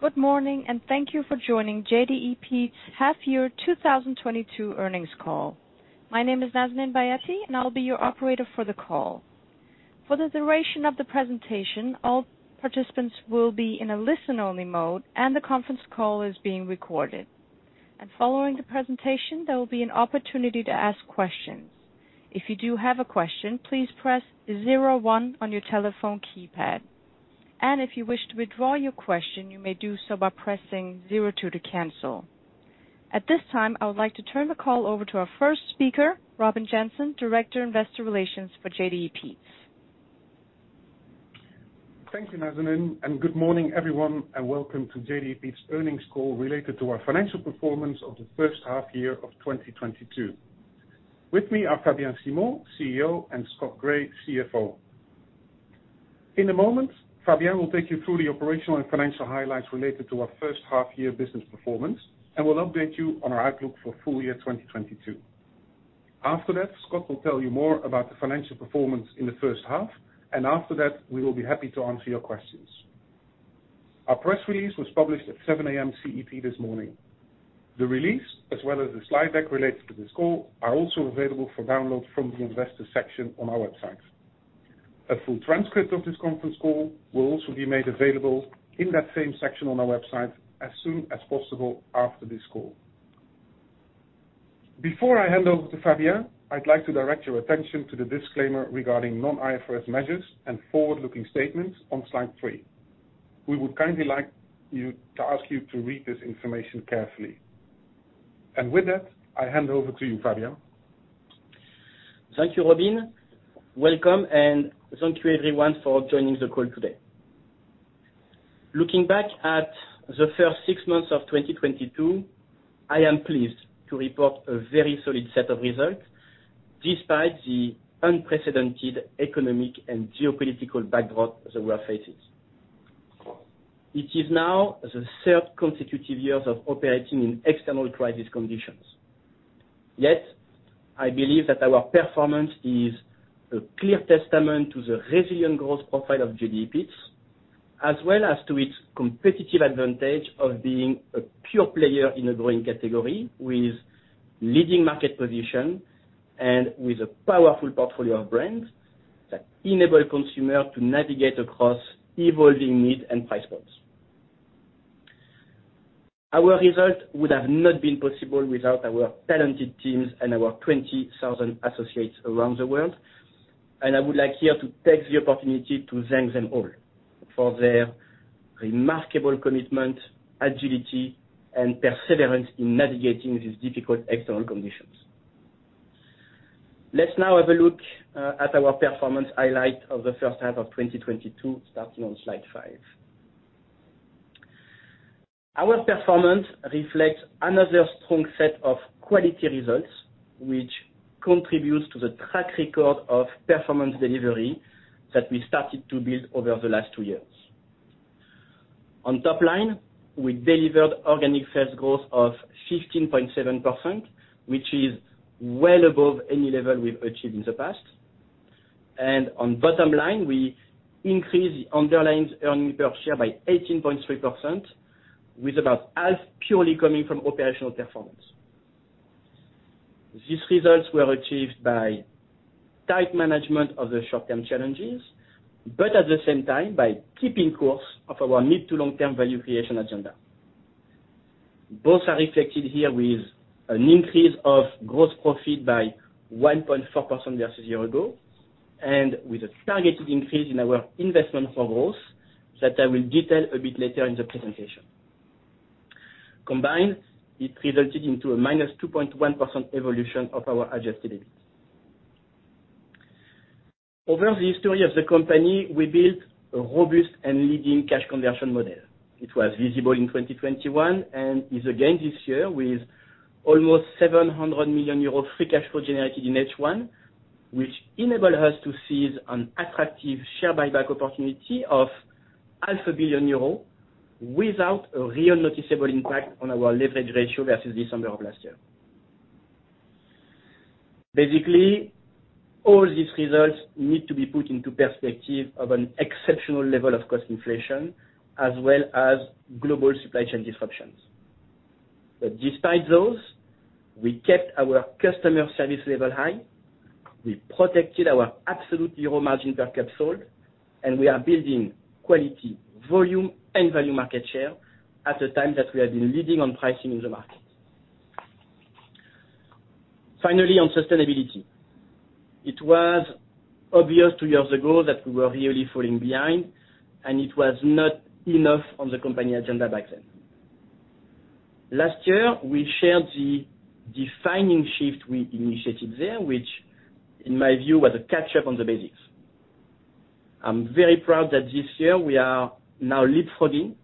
Good morning, and thank you for joining JDE Peet's Half Year 2022 Earnings Call. My name is Nazanin Bayati, and I'll be your operator for the call. For the duration of the presentation, all participants will be in a listen-only mode, and the conference call is being recorded. Following the presentation, there will be an opportunity to ask questions. If you do have a question, please press zero one on your telephone keypad. If you wish to withdraw your question, you may do so by pressing zero two to cancel. At this time, I would like to turn the call over to our first speaker, Robin Jansen, Director, Investor Relations for JDE Peet's. Thank you, Nazanin. Good morning, everyone, and welcome to JDE Peet's earnings call related to our financial performance of the first half year of 2022. With me are Fabien Simon, CEO, and Scott Gray, CFO. In a moment, Fabien will take you through the operational and financial highlights related to our first half year business performance, and we'll update you on our outlook for full year 2022. After that, Scott will tell you more about the financial performance in the first half, and after that, we will be happy to answer your questions. Our press release was published at 7:00 A.M. CET this morning. The release, as well as the slide deck related to this call, are also available for download from the investor section on our website. A full transcript of this conference call will also be made available in that same section on our website as soon as possible after this call. Before I hand over to Fabien, I'd like to direct your attention to the disclaimer regarding non-IFRS measures and forward-looking statements on slide three. We would kindly ask you to read this information carefully. With that, I hand over to you, Fabien. Thank you, Robin. Welcome, and thank you everyone for joining the call today. Looking back at the first six months of 2022, I am pleased to report a very solid set of results, despite the unprecedented economic and geopolitical backdrop that we are facing. It is now the third consecutive year of operating in external crisis conditions. Yet, I believe that our performance is a clear testament to the resilient growth profile of JDE Peet's, as well as to its competitive advantage of being a pure player in a growing category with leading market position and with a powerful portfolio of brands that enable consumer to navigate across evolving needs and price points. Our result would have not been possible without our talented teams and our 20,000 associates around the world, and I would like here to take the opportunity to thank them all for their remarkable commitment, agility, and perseverance in navigating these difficult external conditions. Let's now have a look at our performance highlight of the first half of 2022, starting on slide five. Our performance reflects another strong set of quality results, which contributes to the track record of performance delivery that we started to build over the last two years. On top line, we delivered organic sales growth of 15.7%, which is well above any level we've achieved in the past. On bottom line, we increased the underlying earnings per share by 18.3%, with about half purely coming from operational performance. These results were achieved by tight management of the short-term challenges, but at the same time, by keeping course of our mid to long-term value creation agenda. Both are reflected here with an increase of gross profit by 1.4% versus year ago, and with a targeted increase in our investment for growth that I will detail a bit later in the presentation. Combined, it resulted into a -2.1% evolution of our adjusted EBIT. Over the history of the company, we built a robust and leading cash conversion model. It was visible in 2021 and is again this year with almost 700 million euros free cash flow generated in H1, which enable us to seize an attractive share buyback opportunity of 500 million euros without a real noticeable impact on our leverage ratio versus December of last year. Basically, all these results need to be put into perspective of an exceptional level of cost inflation as well as global supply chain disruptions. Despite those, we kept our customer service level high, we protected our absolute euro margin per cup sold, and we are building quality, volume, and value market share at a time that we have been leading on pricing in the market. Finally, on sustainability. It was obvious two years ago that we were really falling behind, and it was not enough on the company agenda back then. Last year, we shared the defining shift we initiated there, which in my view, was a catch up on the basics. I'm very proud that this year we are now leapfrogging.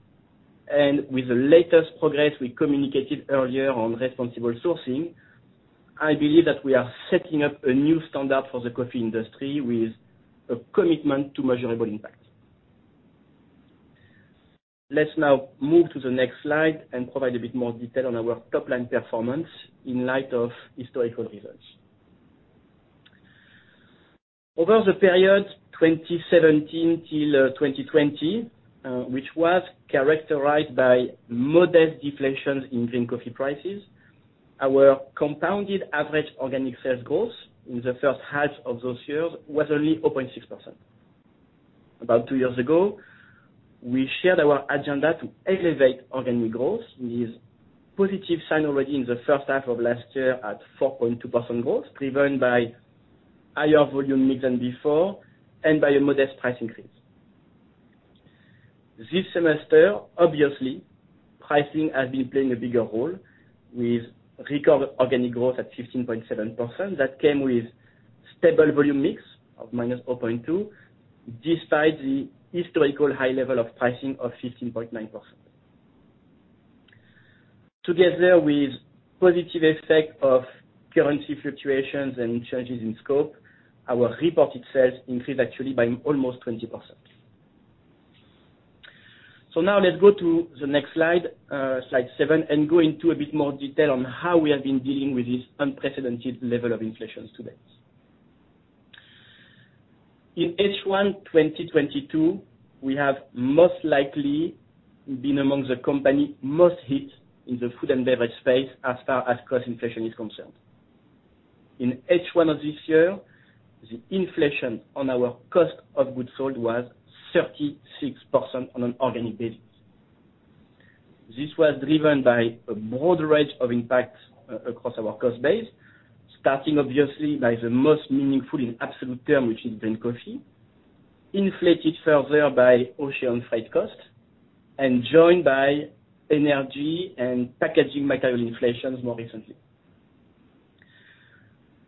With the latest progress we communicated earlier on responsible sourcing, I believe that we are setting up a new standard for the coffee industry with a commitment to measurable impact. Let's now move to the next slide and provide a bit more detail on our top-line performance in light of historical results. Over the period 2017 till 2020, which was characterized by modest deflations in green coffee prices, our compounded average organic sales growth in the first half of those years was only 0.6%. About two years ago, we shared our agenda to elevate organic growth with positive sign already in the first half of last year at 4.2% growth, driven by higher volume mix than before and by a modest price increase. This semester, obviously, pricing has been playing a bigger role, with record organic growth at 15.7% that came with stable volume mix of -0.2%, despite the historical high level of pricing of 15.9%. Together with positive effect of currency fluctuations and changes in scope, our reported sales increased actually by almost 20%. Now let's go to the next slide seven, and go into a bit more detail on how we have been dealing with this unprecedented level of inflation to date. In H1 2022, we have most likely been among the company most hit in the food and beverage space as far as cost inflation is concerned. In H1 of this year, the inflation on our cost of goods sold was 36% on an organic basis. This was driven by a broad range of impacts across our cost base, starting obviously by the most meaningful in absolute terms, which is green coffee, inflated further by ocean freight costs and joined by energy and packaging material inflations more recently.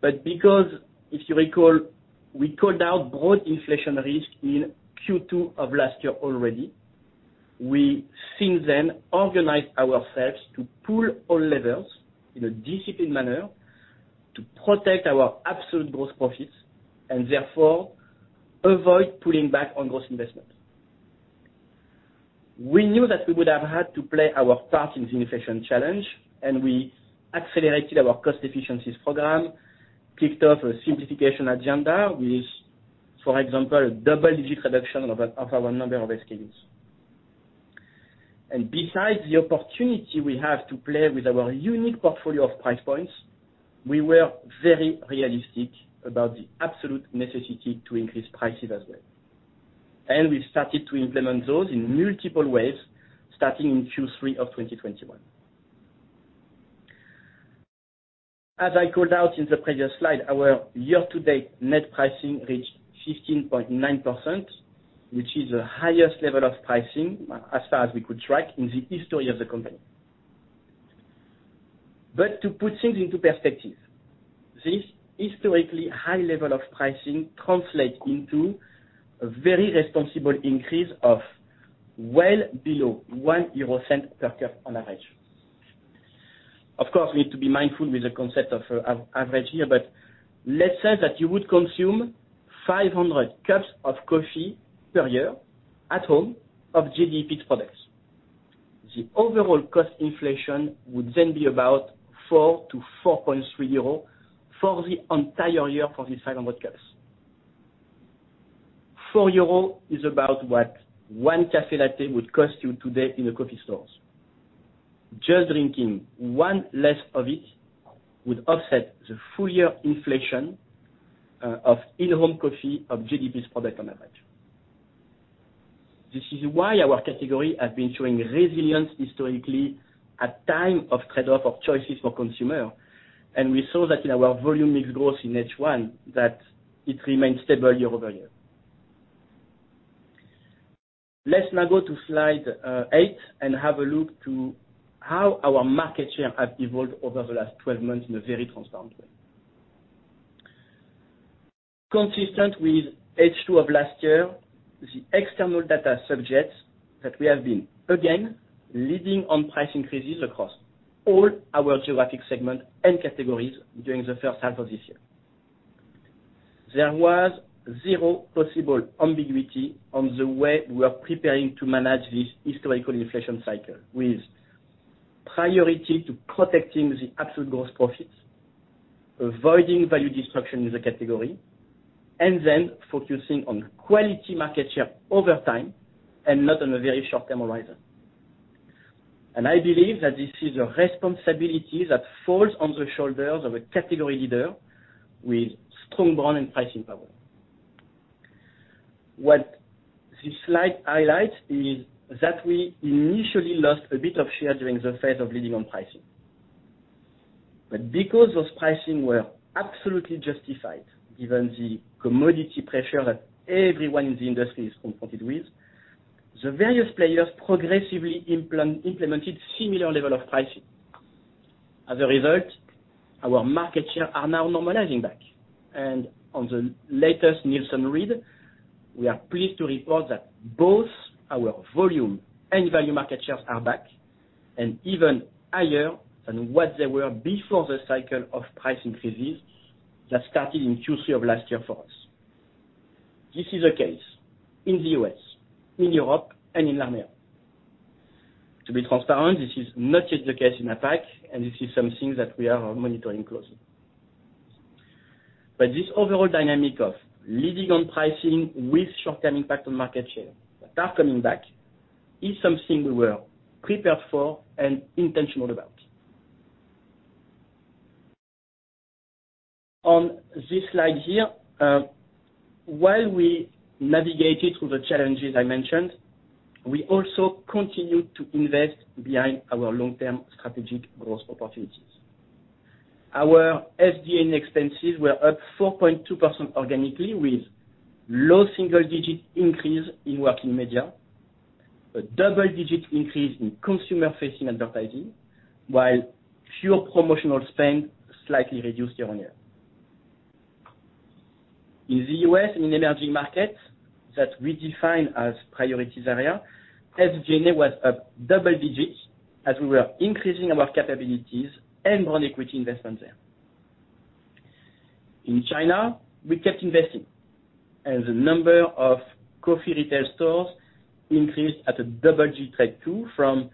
Because, if you recall, we called out broad inflation risk in Q2 of last year already, we since then organized ourselves to pull all levers in a disciplined manner to protect our absolute gross profits and therefore avoid pulling back on gross investments. We knew that we would have had to play our part in the inflation challenge, and we accelerated our cost efficiencies program, kicked off a simplification agenda with, for example, a double-digit reduction of our number of SKUs. Besides the opportunity we have to play with our unique portfolio of price points, we were very realistic about the absolute necessity to increase prices as well. We started to implement those in multiple ways, starting in Q3 of 2021. As I called out in the previous slide, our year-to-date net pricing reached 15.9%, which is the highest level of pricing, as far as we could track, in the history of the company. To put things into perspective, this historically high level of pricing translate into a very responsible increase of well below 0.01 per cup on average. Of course, we need to be mindful with the concept of average here, but let's say that you would consume 500 cups of coffee per year at home of JDE Peet's products. The overall cost inflation would then be about 4-4.3 euro for the entire year for these 500 cups. 4 euro is about what one café latte would cost you today in the coffee stores. Just drinking one less of it would offset the full year inflation of In-Home coffee of JDE Peet's product on average. This is why our category has been showing resilience historically at time of trade-off of choices for consumer, and we saw that in our volume mix growth in H1, that it remains stable year-over-year. Let's now go to slide eight and have a look to how our market share has evolved over the last 12 months in a very transparent way. Consistent with H2 of last year, the external data suggests that we have been, again, leading on price increases across all our geographic segments and categories during the first half of this year. There was zero possible ambiguity on the way we are preparing to manage this historical inflation cycle with priority to protecting the absolute gross profits, avoiding value destruction in the category, and then focusing on quality market share over time and not on a very short-term horizon. I believe that this is a responsibility that falls on the shoulders of a category leader with strong brand and pricing power. What this slide highlights is that we initially lost a bit of share during the phase of leading on pricing. Because those pricing were absolutely justified, given the commodity pressure that everyone in the industry is confronted with, the various players progressively implemented similar level of pricing. As a result, our market share are now normalizing back. On the latest Nielsen read, we are pleased to report that both our volume and value market shares are back and even higher than what they were before the cycle of price increases that started in Q3 of last year for us. This is the case in the U.S., in Europe, and in LAMEA. To be transparent, this is not yet the case in APAC, and this is something that we are monitoring closely. This overall dynamic of leading on pricing with short-term impact on market share that are coming back is something we were prepared for and intentional about. On this slide here, while we navigated through the challenges I mentioned, we also continued to invest behind our long-term strategic growth opportunities. Our SG&A expenses were up 4.2% organically, with low single-digit increase in working media, a double-digit increase in consumer-facing advertising, while fewer promotional spend slightly reduced year-on-year. In the U.S. and emerging markets that we define as priority areas, SG&A was up double digits as we were increasing our capabilities and non-equity investments there. In China, we kept investing, and the number of coffee retail stores increased at a double-digit rate too from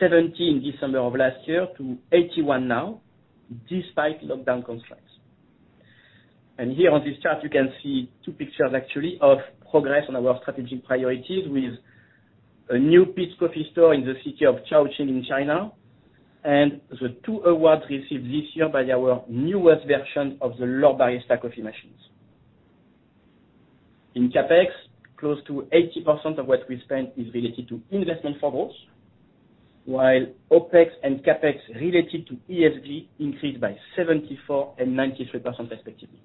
70 in December of last year to 81 now, despite lockdown constraints. Here on this chart, you can see two pictures actually of progress on our strategic priorities with a new Peet's Coffee store in the city of Chongqing in China, and the two awards received this year by our newest version of the L'OR Barista coffee machines. In CapEx, close to 80% of what we spent is related to investment for growth, while OpEx and CapEx related to ESG increased by 74% and 93% respectively.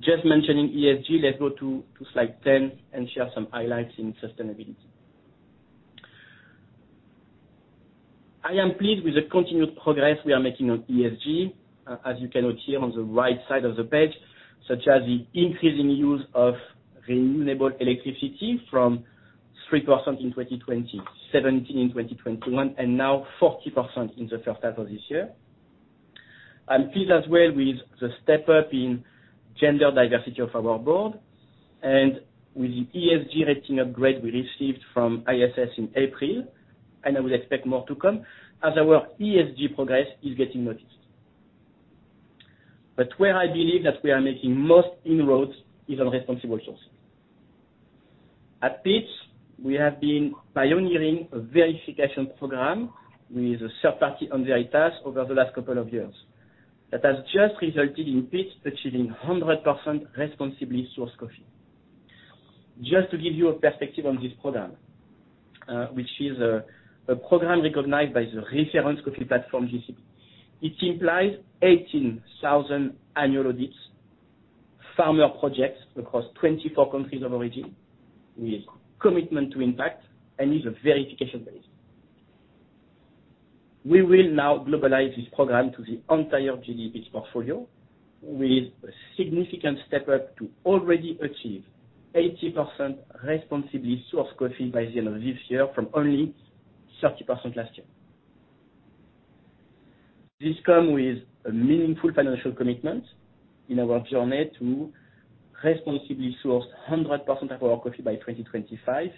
Just mentioning ESG, let's go to slide 10 and share some highlights in sustainability. I am pleased with the continued progress we are making on ESG, as you can note here on the right side of the page, such as the increasing use of renewable electricity from 3% in 2020, 17% in 2021, and now 40% in the first half of this year. I'm pleased as well with the step-up in gender diversity of our Board and with the ESG rating upgrade we received from ISS in April, and I will expect more to come as our ESG progress is getting noticed. Where I believe that we are making most inroads is on responsible sourcing. At Peet's, we have been pioneering a verification program with a third party on their stock over the last couple of years. That has just resulted in Peet's achieving 100% responsibly sourced coffee. Just to give you a perspective on this program, which is a program recognized by the reference coffee platform, GCP. It implies 18,000 annual audits, farmer projects across 24 countries of origin, with commitment to impact and is verification-based. We will now globalize this program to the entire JDE Peet's portfolio with a significant step up to already achieve 80% responsibly sourced coffee by the end of this year from only 30% last year. This comes with a meaningful financial commitment in our journey to responsibly source 100% of our coffee by 2025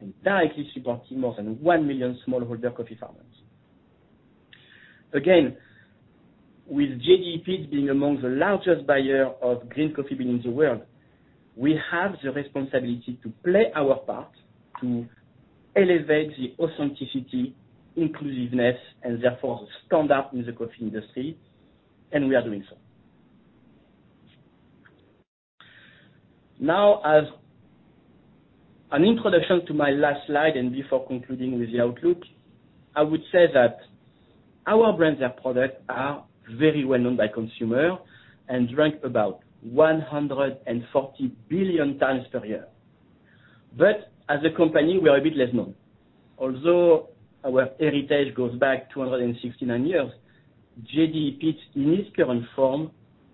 and directly supporting more than 1 million smallholder coffee farmers. Again, with JDE Peet's being among the largest buyer of green coffee beans in the world, we have the responsibility to play our part to elevate the authenticity, inclusiveness, and therefore the standard in the coffee industry, and we are doing so. Now, as an introduction to my last slide, and before concluding with the outlook, I would say that our brands and products are very well-known by consumers and drunk about 140 billion times per year. As a company, we are a bit less known. Although our heritage goes back 269 years, JDE Peet's in its current form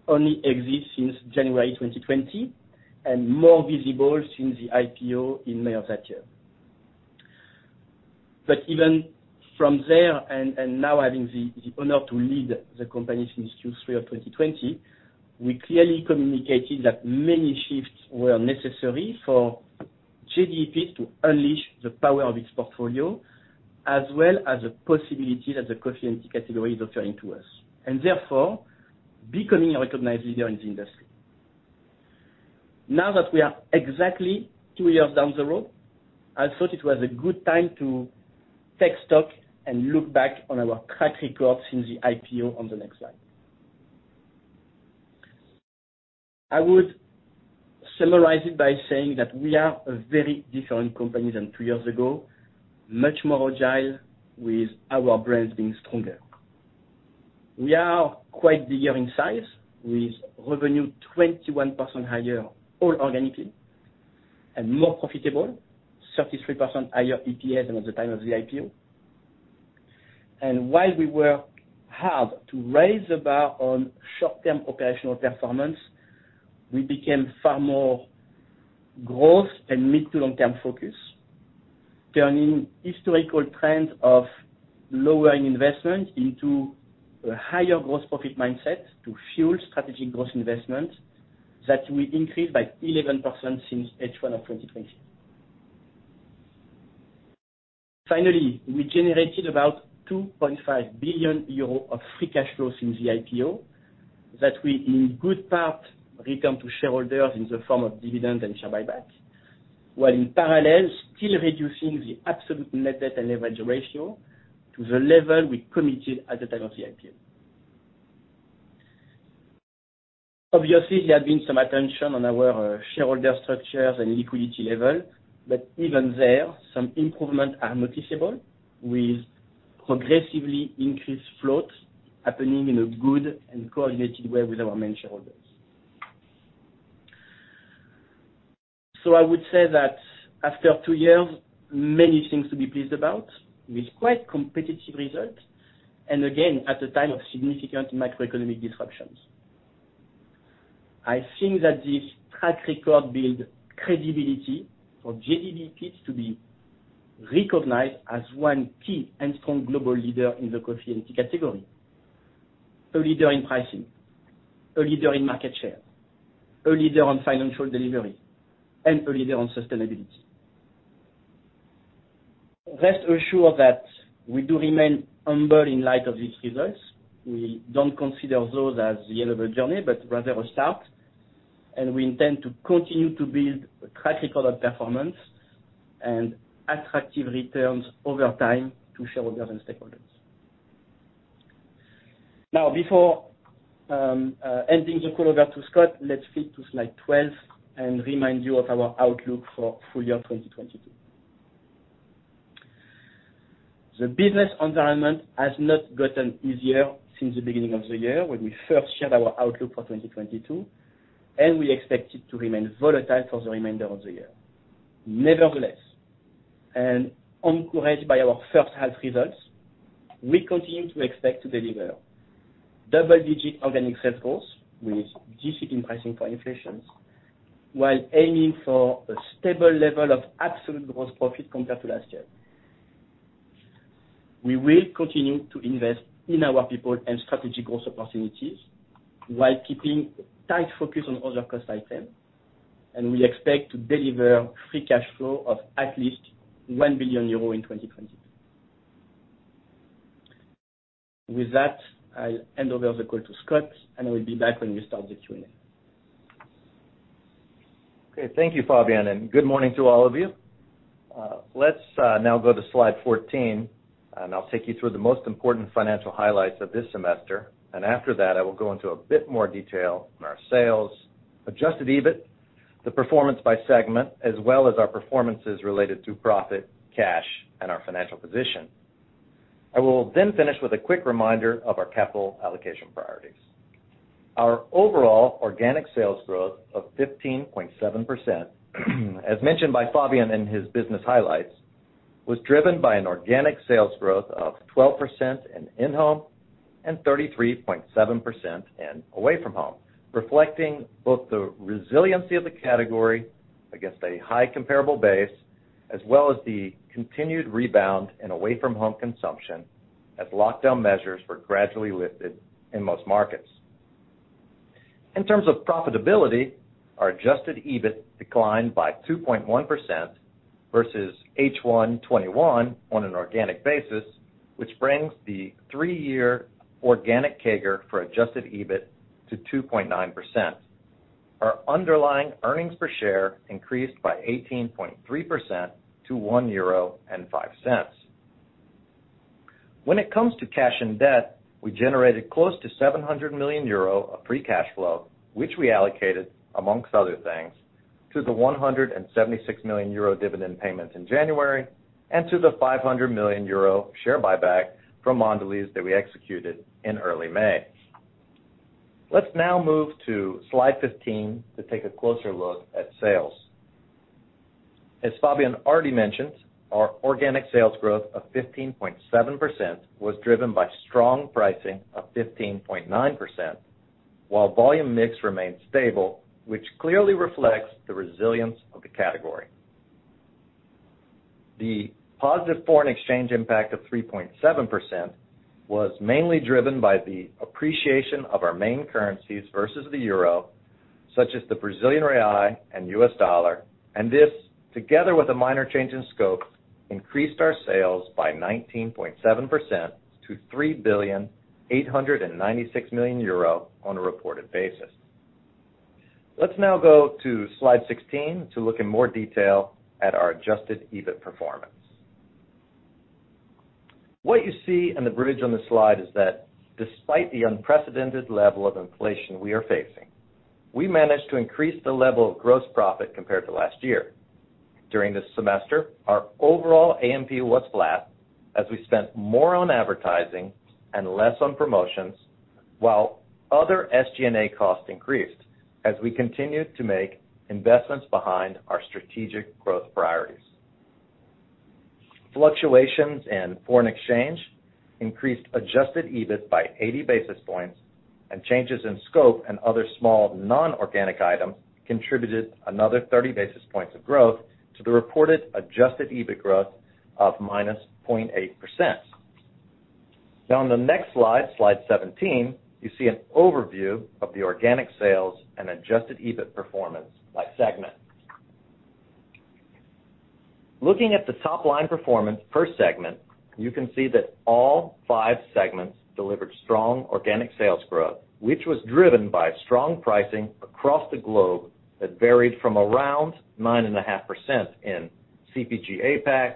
only exists since January 2020 and more visible since the IPO in May of that year. Even from there and now having the honor to lead the company since Q3 of 2020, we clearly communicated that many shifts were necessary for JDE Peet's to unleash the power of its portfolio, as well as the possibility that the coffee and tea category is offering to us, and therefore becoming a recognized leader in the industry. Now that we are exactly two years down the road, I thought it was a good time to take stock and look back on our track record since the IPO on the next slide. I would summarize it by saying that we are a very different company than two years ago, much more agile with our brands being stronger. We are quite bigger in size, with revenue 21% higher all organically and more profitable, 33% higher EPS than at the time of the IPO. While we work hard to raise the bar on short-term operational performance, we became far more growth and mid- to long-term focus, turning historical trends of lowering investment into a higher gross profit mindset to fuel strategic growth investment that we increased by 11% since H1 of 2020. Finally, we generated about 2.5 billion euro of free cash flow since the IPO that we in good part return to shareholders in the form of dividend and share buyback, while in parallel, still reducing the absolute net debt and leverage ratio to the level we committed at the time of the IPO. Obviously, there have been some attention on our shareholder structures and liquidity level, but even there some improvement are noticeable with progressively increased float happening in a good and coordinated way with our main shareholders. I would say that after two years, many things to be pleased about with quite competitive results and again at the time of significant macroeconomic disruptions. I think that this track record build credibility for JDE Peet's to be recognized as one key and strong global leader in the coffee and tea category. A leader in pricing, a leader in market share, a leader on financial delivery, and a leader on sustainability. Rest assured that we do remain humble in light of these results. We don't consider those as the end of a journey, but rather a start, and we intend to continue to build a track record of performance and attractive returns over time to shareholders and stakeholders. Now, before ending the call over to Scott, let's flip to slide 12 and remind you of our outlook for full year 2022. The business environment has not gotten easier since the beginning of the year when we first shared our outlook for 2022, and we expect it to remain volatile for the remainder of the year. Nevertheless, encouraged by our first half results, we continue to expect to deliver double-digit organic sales growth with decent pricing for inflation, while aiming for a stable level of absolute gross profit compared to last year. We will continue to invest in our people and strategic growth opportunities while keeping tight focus on other cost items. We expect to deliver free cash flow of at least 1 billion euro in 2022. With that, I'll hand over the call to Scott, and I will be back when we start the Q&A. Okay. Thank you, Fabien, and good morning to all of you. Let's now go to slide 14, and I'll take you through the most important financial highlights of this semester. After that, I will go into a bit more detail on our sales, adjusted EBIT, the performance by segment, as well as our performances related to profit, cash, and our financial position. I will then finish with a quick reminder of our capital allocation priorities. Our overall organic sales growth of 15.7%, as mentioned by Fabien in his business highlights, was driven by an organic sales growth of 12% In-Home and 33.7% in Away-From-Home, reflecting both the resiliency of the category against a high comparable base as well as the continued rebound in Away-from-Home consumption as lockdown measures were gradually lifted in most markets. In terms of profitability, our adjusted EBIT declined by 2.1% versus H1 2021 on an organic basis, which brings the three-year organic CAGR for adjusted EBIT to 2.9%. Our underlying earnings per share increased by 18.3% to 1.05 euro. When it comes to cash and debt, we generated close to 700 million euro of free cash flow, which we allocated amongst other things, to the 176 million euro dividend payments in January and to the 500 million euro share buyback from Mondelēz that we executed in early May. Let's now move to slide 15 to take a closer look at sales. As Fabien already mentioned, our organic sales growth of 15.7% was driven by strong pricing of 15.9%, while volume mix remained stable, which clearly reflects the resilience of the category. The positive foreign exchange impact of 3.7% was mainly driven by the appreciation of our main currencies versus the euro, such as the Brazilian real and U.S. dollar. This together with a minor change in scope, increased our sales by 19.7% to 3.896 billion on a reported basis. Let's now go to slide 16 to look in more detail at our adjusted EBIT performance. What you see in the bridge on this slide is that despite the unprecedented level of inflation we are facing, we managed to increase the level of gross profit compared to last year. During this semester, our overall A&P was flat as we spent more on advertising and less on promotions, while other SG&A costs increased as we continued to make investments behind our strategic growth priorities. Fluctuations in foreign exchange increased adjusted EBIT by 80 basis points, and changes in scope and other small non-organic items contributed another 30 basis points of growth to the reported adjusted EBIT growth of -0.8%. Now on the next slide 17, you see an overview of the organic sales and adjusted EBIT performance by segment. Looking at the top-line performance per segment, you can see that all five segments delivered strong organic sales growth, which was driven by strong pricing across the globe that varied from around 9.5% in CPG APAC,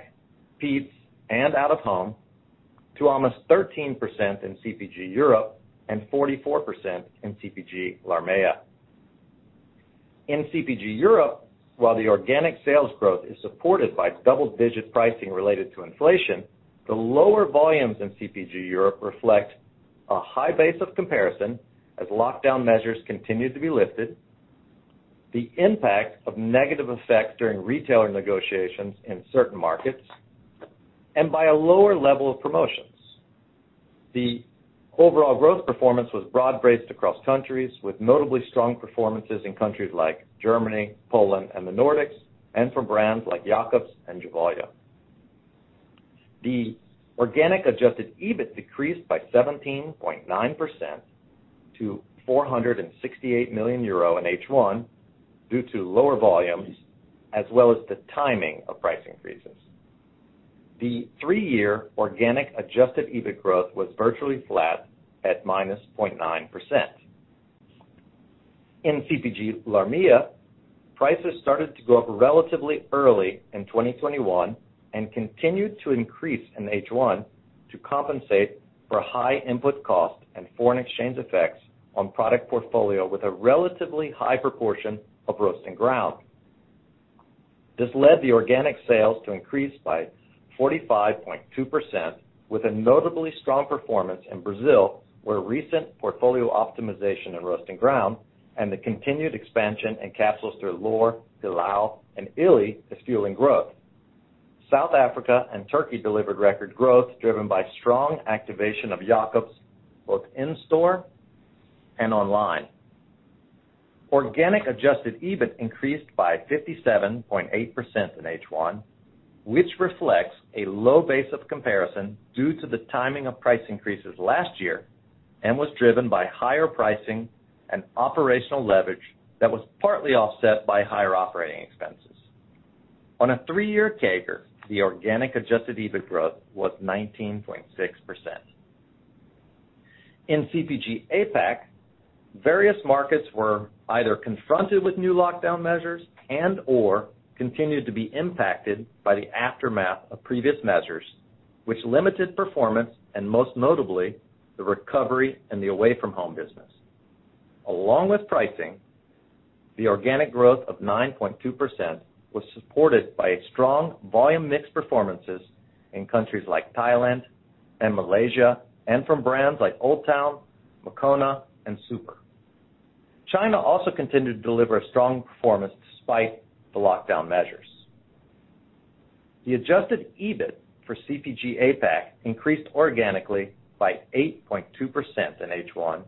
Peet's, and Out-of-Home to almost 13% in CPG Europe and 44% in CPG LAMEA. In CPG Europe, while the organic sales growth is supported by double-digit pricing related to inflation, the lower volumes in CPG Europe reflect a high base of comparison as lockdown measures continue to be lifted, the impact of negative effects during retailer negotiations in certain markets, and by a lower level of promotions. The overall growth performance was broad-based across countries with notably strong performances in countries like Germany, Poland, and the Nordics, and from brands like Jacobs and Gevalia. The organic adjusted EBIT decreased by 17.9% to 468 million euro in H1 due to lower volumes as well as the timing of price increases. The three-year organic adjusted EBIT growth was virtually flat at -0.9%. In CPG LAMEA, prices started to go up relatively early in 2021 and continued to increase in H1 to compensate for high input costs and foreign exchange effects on product portfolio with a relatively high proportion of roast and ground. This led the organic sales to increase by 45.2% with a notably strong performance in Brazil, where recent portfolio optimization and roast and ground and the continued expansion in capsules through L'OR, Pilão, and illy is fueling growth. South Africa and Turkey delivered record growth driven by strong activation of Jacobs both in store and online. Organic adjusted EBIT increased by 57.8% in H1, which reflects a low base of comparison due to the timing of price increases last year and was driven by higher pricing and operational leverage that was partly offset by higher operating expenses. On a three-year CAGR, the organic adjusted EBIT growth was 19.6%. In CPG APAC, various markets were either confronted with new lockdown measures and/or continued to be impacted by the aftermath of previous measures, which limited performance and most notably the recovery in the Away-from-Home business. Along with pricing, the organic growth of 9.2% was supported by strong volume mix performances in countries like Thailand and Malaysia and from brands like OldTown, Moccona, and Super. China also continued to deliver a strong performance despite the lockdown measures. The adjusted EBIT for CPG APAC increased organically by 8.2% in H1,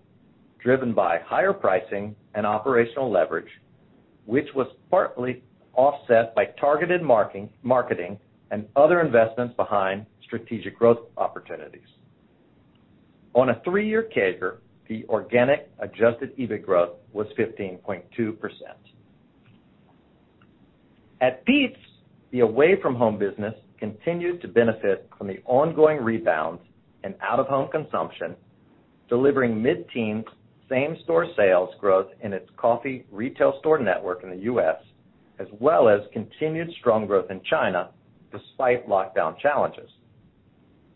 driven by higher pricing and operational leverage, which was partly offset by targeted marketing and other investments behind strategic growth opportunities. On a three-year CAGR, the organic adjusted EBIT growth was 15.2%. At Peet's, the Away-from-Home business continued to benefit from the ongoing rebound in Out-of-Home consumption, delivering mid-teens same-store sales growth in its coffee retail store network in the U.S., as well as continued strong growth in China despite lockdown challenges.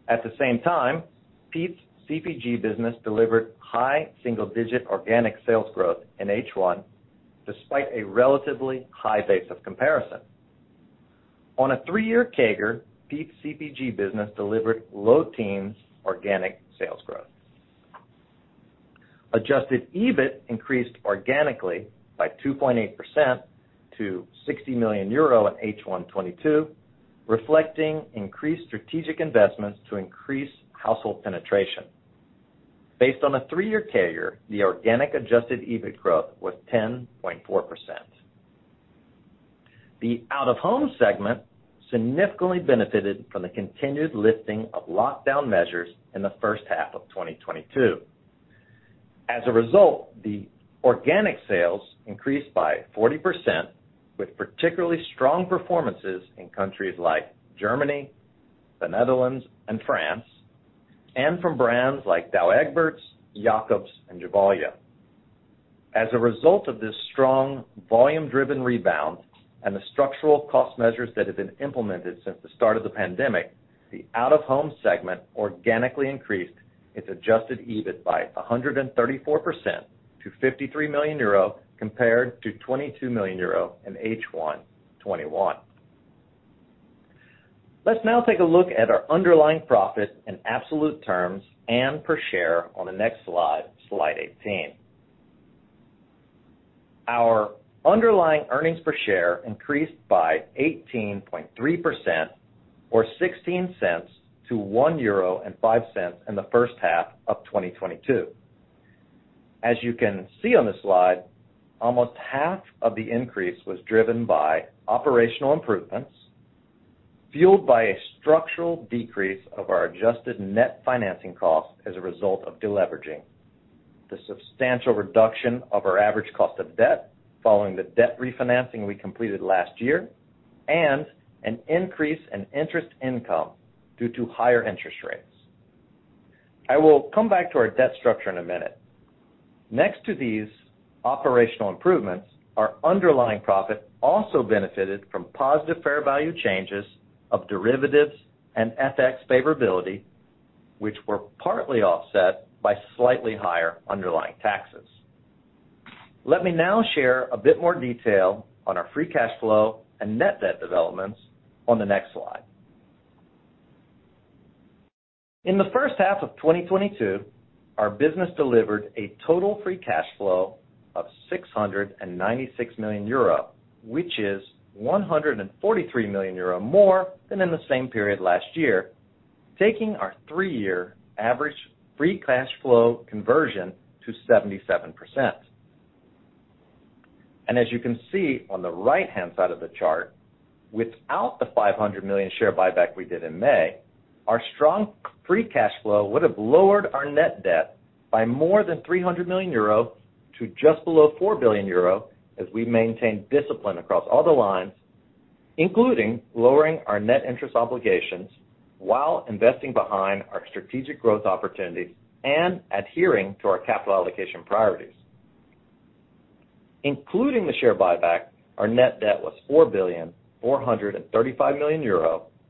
At the same time, Peet's CPG business delivered high single-digit% organic sales growth in H1 despite a relatively high base of comparison. On a three-year CAGR, Peet's CPG business delivered low teens% organic sales growth. Adjusted EBIT increased organically by 2.8% to 60 million euro in H1 2022, reflecting increased strategic investments to increase household penetration. Based on a three-year CAGR, the organic adjusted EBIT growth was 10.4%. The Out-of-Home segment significantly benefited from the continued lifting of lockdown measures in the first half of 2022. As a result, the organic sales increased by 40% with particularly strong performances in countries like Germany, the Netherlands, and France, and from brands like Douwe Egberts, Jacobs, and Gevalia. As a result of this strong volume-driven rebound and the structural cost measures that have been implemented since the start of the pandemic, the Out-of-Home segment organically increased its adjusted EBIT by 134% to 53 million euro compared to 22 million euro in H1 2021. Let's now take a look at our underlying profit in absolute terms and per share on the next slide 18. Our underlying earnings per share increased by 18.3% or 0.16 to 1.05 euro in the first half of 2022. As you can see on this slide, almost half of the increase was driven by operational improvements, fueled by a structural decrease of our adjusted net financing costs as a result of deleveraging, the substantial reduction of our average cost of debt following the debt refinancing we completed last year, and an increase in interest income due to higher interest rates. I will come back to our debt structure in a minute. Next to these operational improvements, our underlying profit also benefited from positive fair value changes of derivatives and FX favorability, which were partly offset by slightly higher underlying taxes. Let me now share a bit more detail on our free cash flow and net debt developments on the next slide. In the first half of 2022, our business delivered a total free cash flow of 696 million euro, which is 143 million euro more than in the same period last year, taking our three-year average free cash flow conversion to 77%. As you can see on the right-hand side of the chart, without the 500 million share buyback we did in May, our strong free cash flow would have lowered our net debt by more than 300 million euro to just below 4 billion euro as we maintain discipline across all the lines, including lowering our net interest obligations while investing behind our strategic growth opportunities and adhering to our capital allocation priorities. Including the share buyback, our net debt was 4.435 billion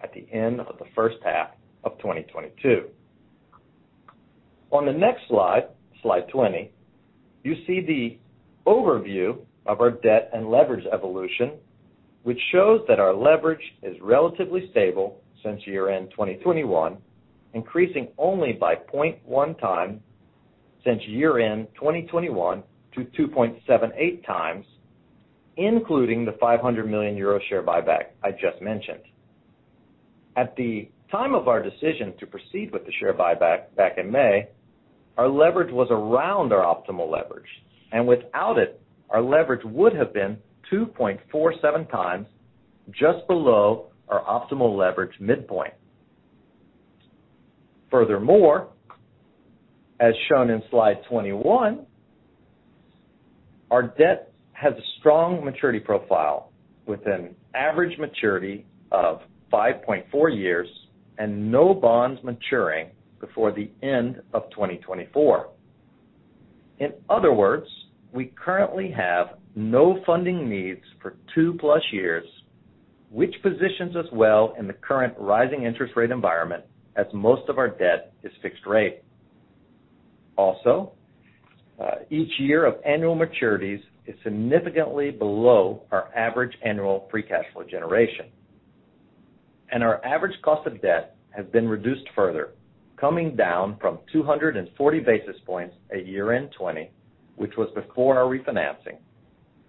at the end of the first half of 2022. On the next slide 20, you see the overview of our debt and leverage evolution, which shows that our leverage is relatively stable since year-end 2021, increasing only by 0.1x since year-end 2021 to 2.78x, including the 500 million euro share buyback I just mentioned. At the time of our decision to proceed with the share buyback back in May, our leverage was around our optimal leverage, and without it, our leverage would have been 2.47x just below our optimal leverage midpoint. Furthermore, as shown in slide 21, our debt has a strong maturity profile with an average maturity of 5.4 years and no bonds maturing before the end of 2024. In other words, we currently have no funding needs for 2+ years, which positions us well in the current rising interest rate environment as most of our debt is fixed rate. Also, each year of annual maturities is significantly below our average annual free cash flow generation. Our average cost of debt has been reduced further, coming down from 240 basis points at year-end 2020, which was before our refinancing,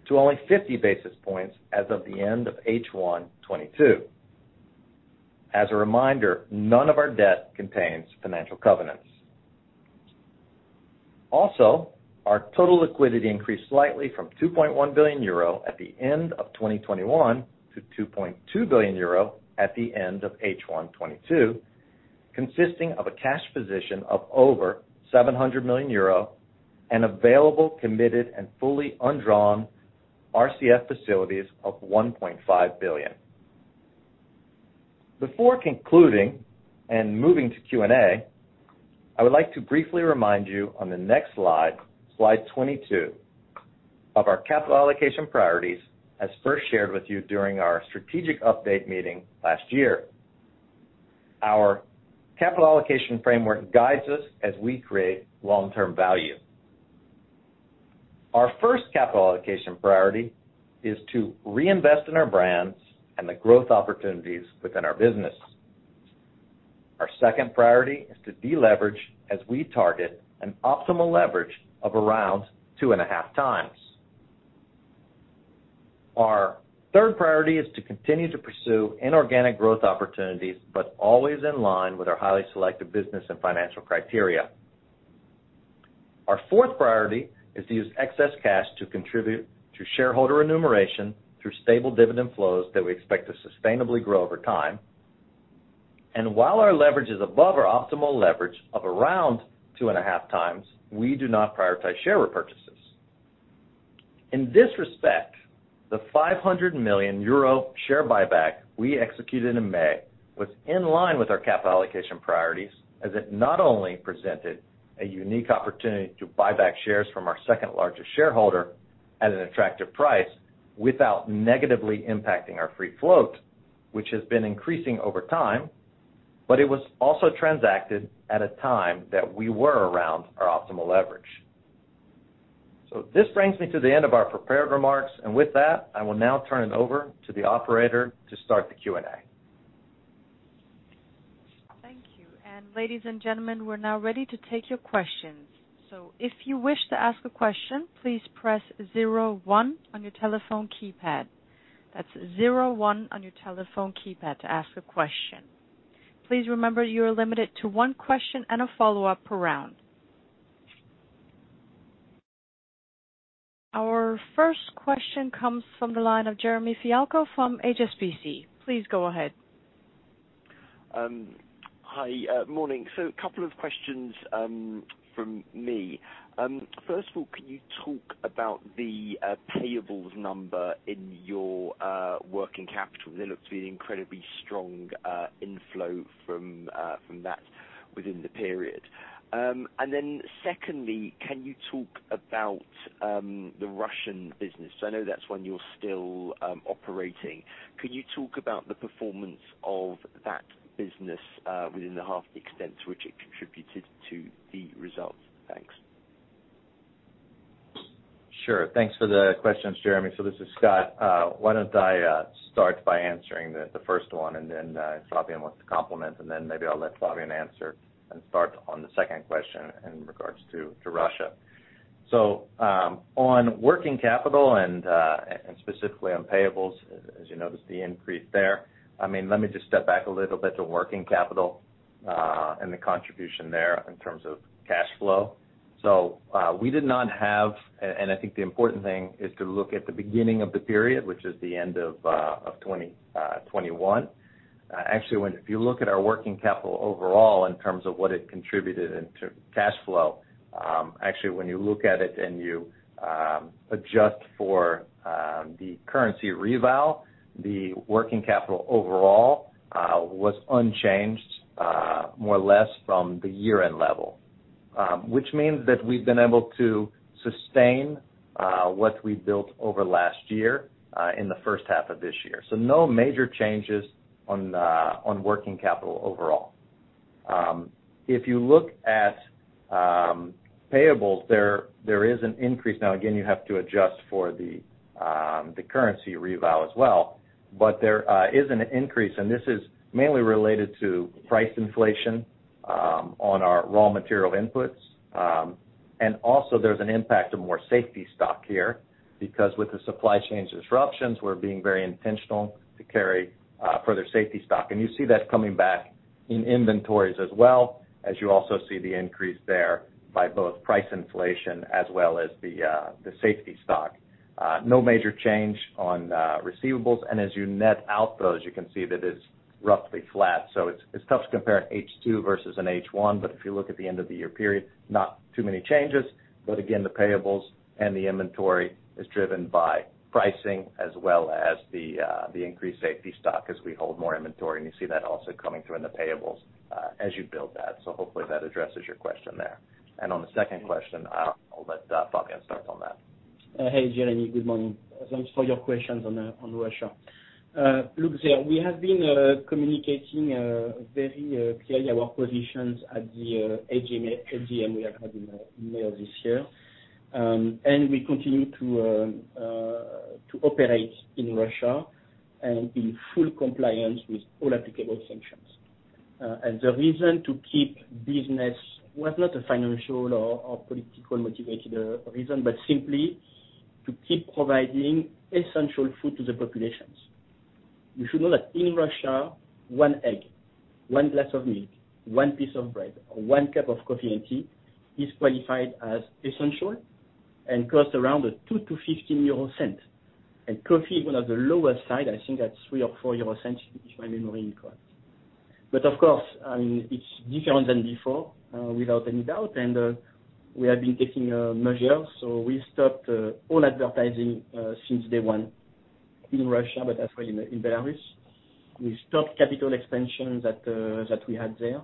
to only 50 basis points as of the end of H1 2022. As a reminder, none of our debt contains financial covenants. Also, our total liquidity increased slightly from 2.1 billion euro at the end of 2021 to 2.2 billion euro at the end of H1 2022, consisting of a cash position of over 700 million euro and available, committed, and fully undrawn RCF facilities of 1.5 billion. Before concluding and moving to Q&A, I would like to briefly remind you on the next slide 22, of our capital allocation priorities as first shared with you during our strategic update meeting last year. Our capital allocation framework guides us as we create long-term value. Our first capital allocation priority is to reinvest in our brands and the growth opportunities within our business. Our second priority is to deleverage as we target an optimal leverage of around 2.5x. Our third priority is to continue to pursue inorganic growth opportunities, but always in line with our highly selective business and financial criteria. Our fourth priority is to use excess cash to contribute to shareholder remuneration through stable dividend flows that we expect to sustainably grow over time. While our leverage is above our optimal leverage of around two and a half times, we do not prioritize share repurchases. In this respect, the 500 million euro share buyback we executed in May was in line with our capital allocation priorities as it not only presented a unique opportunity to buy back shares from our second-largest shareholder at an attractive price without negatively impacting our free float, which has been increasing over time, but it was also transacted at a time that we were around our optimal leverage. This brings me to the end of our prepared remarks. With that, I will now turn it over to the operator to start the Q&A. Thank you. Ladies and gentlemen, we're now ready to take your questions. If you wish to ask a question, please press zero one on your telephone keypad. That's zero one on your telephone keypad to ask a question. Please remember you are limited to one question and a follow-up per round. Our first question comes from the line of Jeremy Fialko from HSBC. Please go ahead. Hi, morning. A couple of questions from me. First of all, can you talk about the payables number in your working capital? They look to be an incredibly strong inflow from that within the period. Secondly, can you talk about the Russian business? I know that's one you're still operating. Could you talk about the performance of that business within the half, the extent to which it contributed to the results? Thanks. Sure. Thanks for the questions, Jeremy. This is Scott. Why don't I start by answering the first one, and then, if Fabien wants to comment, and then maybe I'll let Fabien answer and start on the second question in regards to Russia. On working capital and specifically on payables, as you noticed the increase there, I mean, let me just step back a little bit to working capital, and the contribution there in terms of cash flow. We did not have. And I think the important thing is to look at the beginning of the period, which is the end of 2021. Actually, if you look at our working capital overall in terms of what it contributed into cash flow, actually, when you look at it and you adjust for the currency reval, the working capital overall was unchanged, more or less from the year-end level, which means that we've been able to sustain what we built over last year in the first half of this year. No major changes on working capital overall. If you look at payables, there is an increase. Now, again, you have to adjust for the currency reval as well, but there is an increase, and this is mainly related to price inflation on our raw material inputs. Also, there's an impact of more safety stock here because with the supply chain disruptions, we're being very intentional to carry further safety stock. You see that coming back in inventories as well as you also see the increase there by both price inflation as well as the safety stock. No major change on receivables, and as you net out those, you can see that it's roughly flat. It's tough to compare H2 versus an H1, but if you look at the end of the year period, not too many changes. Again, the payables and the inventory is driven by pricing as well as the increased safety stock as we hold more inventory, and you see that also coming through in the payables as you build that. Hopefully that addresses your question there. On the second question, I'll let Fabien start on that. Hey, Jeremy, good morning. Thanks for your questions on Russia. Look, there, we have been communicating very clearly our positions at the AGM we have had in May of this year. We continue to operate in Russia and in full compliance with all applicable sanctions. The reason to keep business was not a financial or political motivated reason, but simply to keep providing essential food to the populations. You should know that in Russia, one egg, one glass of milk, one piece of bread, or one cup of coffee and tea is qualified as essential and costs around 0.02-0.15 euro. Coffee, on the lower side, I think that's 0.03 or 0.04, if my memory is correct. Of course, I mean, it's different than before without any doubt, and we have been taking measures. We stopped all advertising since day one in Russia, but as well in Belarus. We stopped capital expansion that we had there.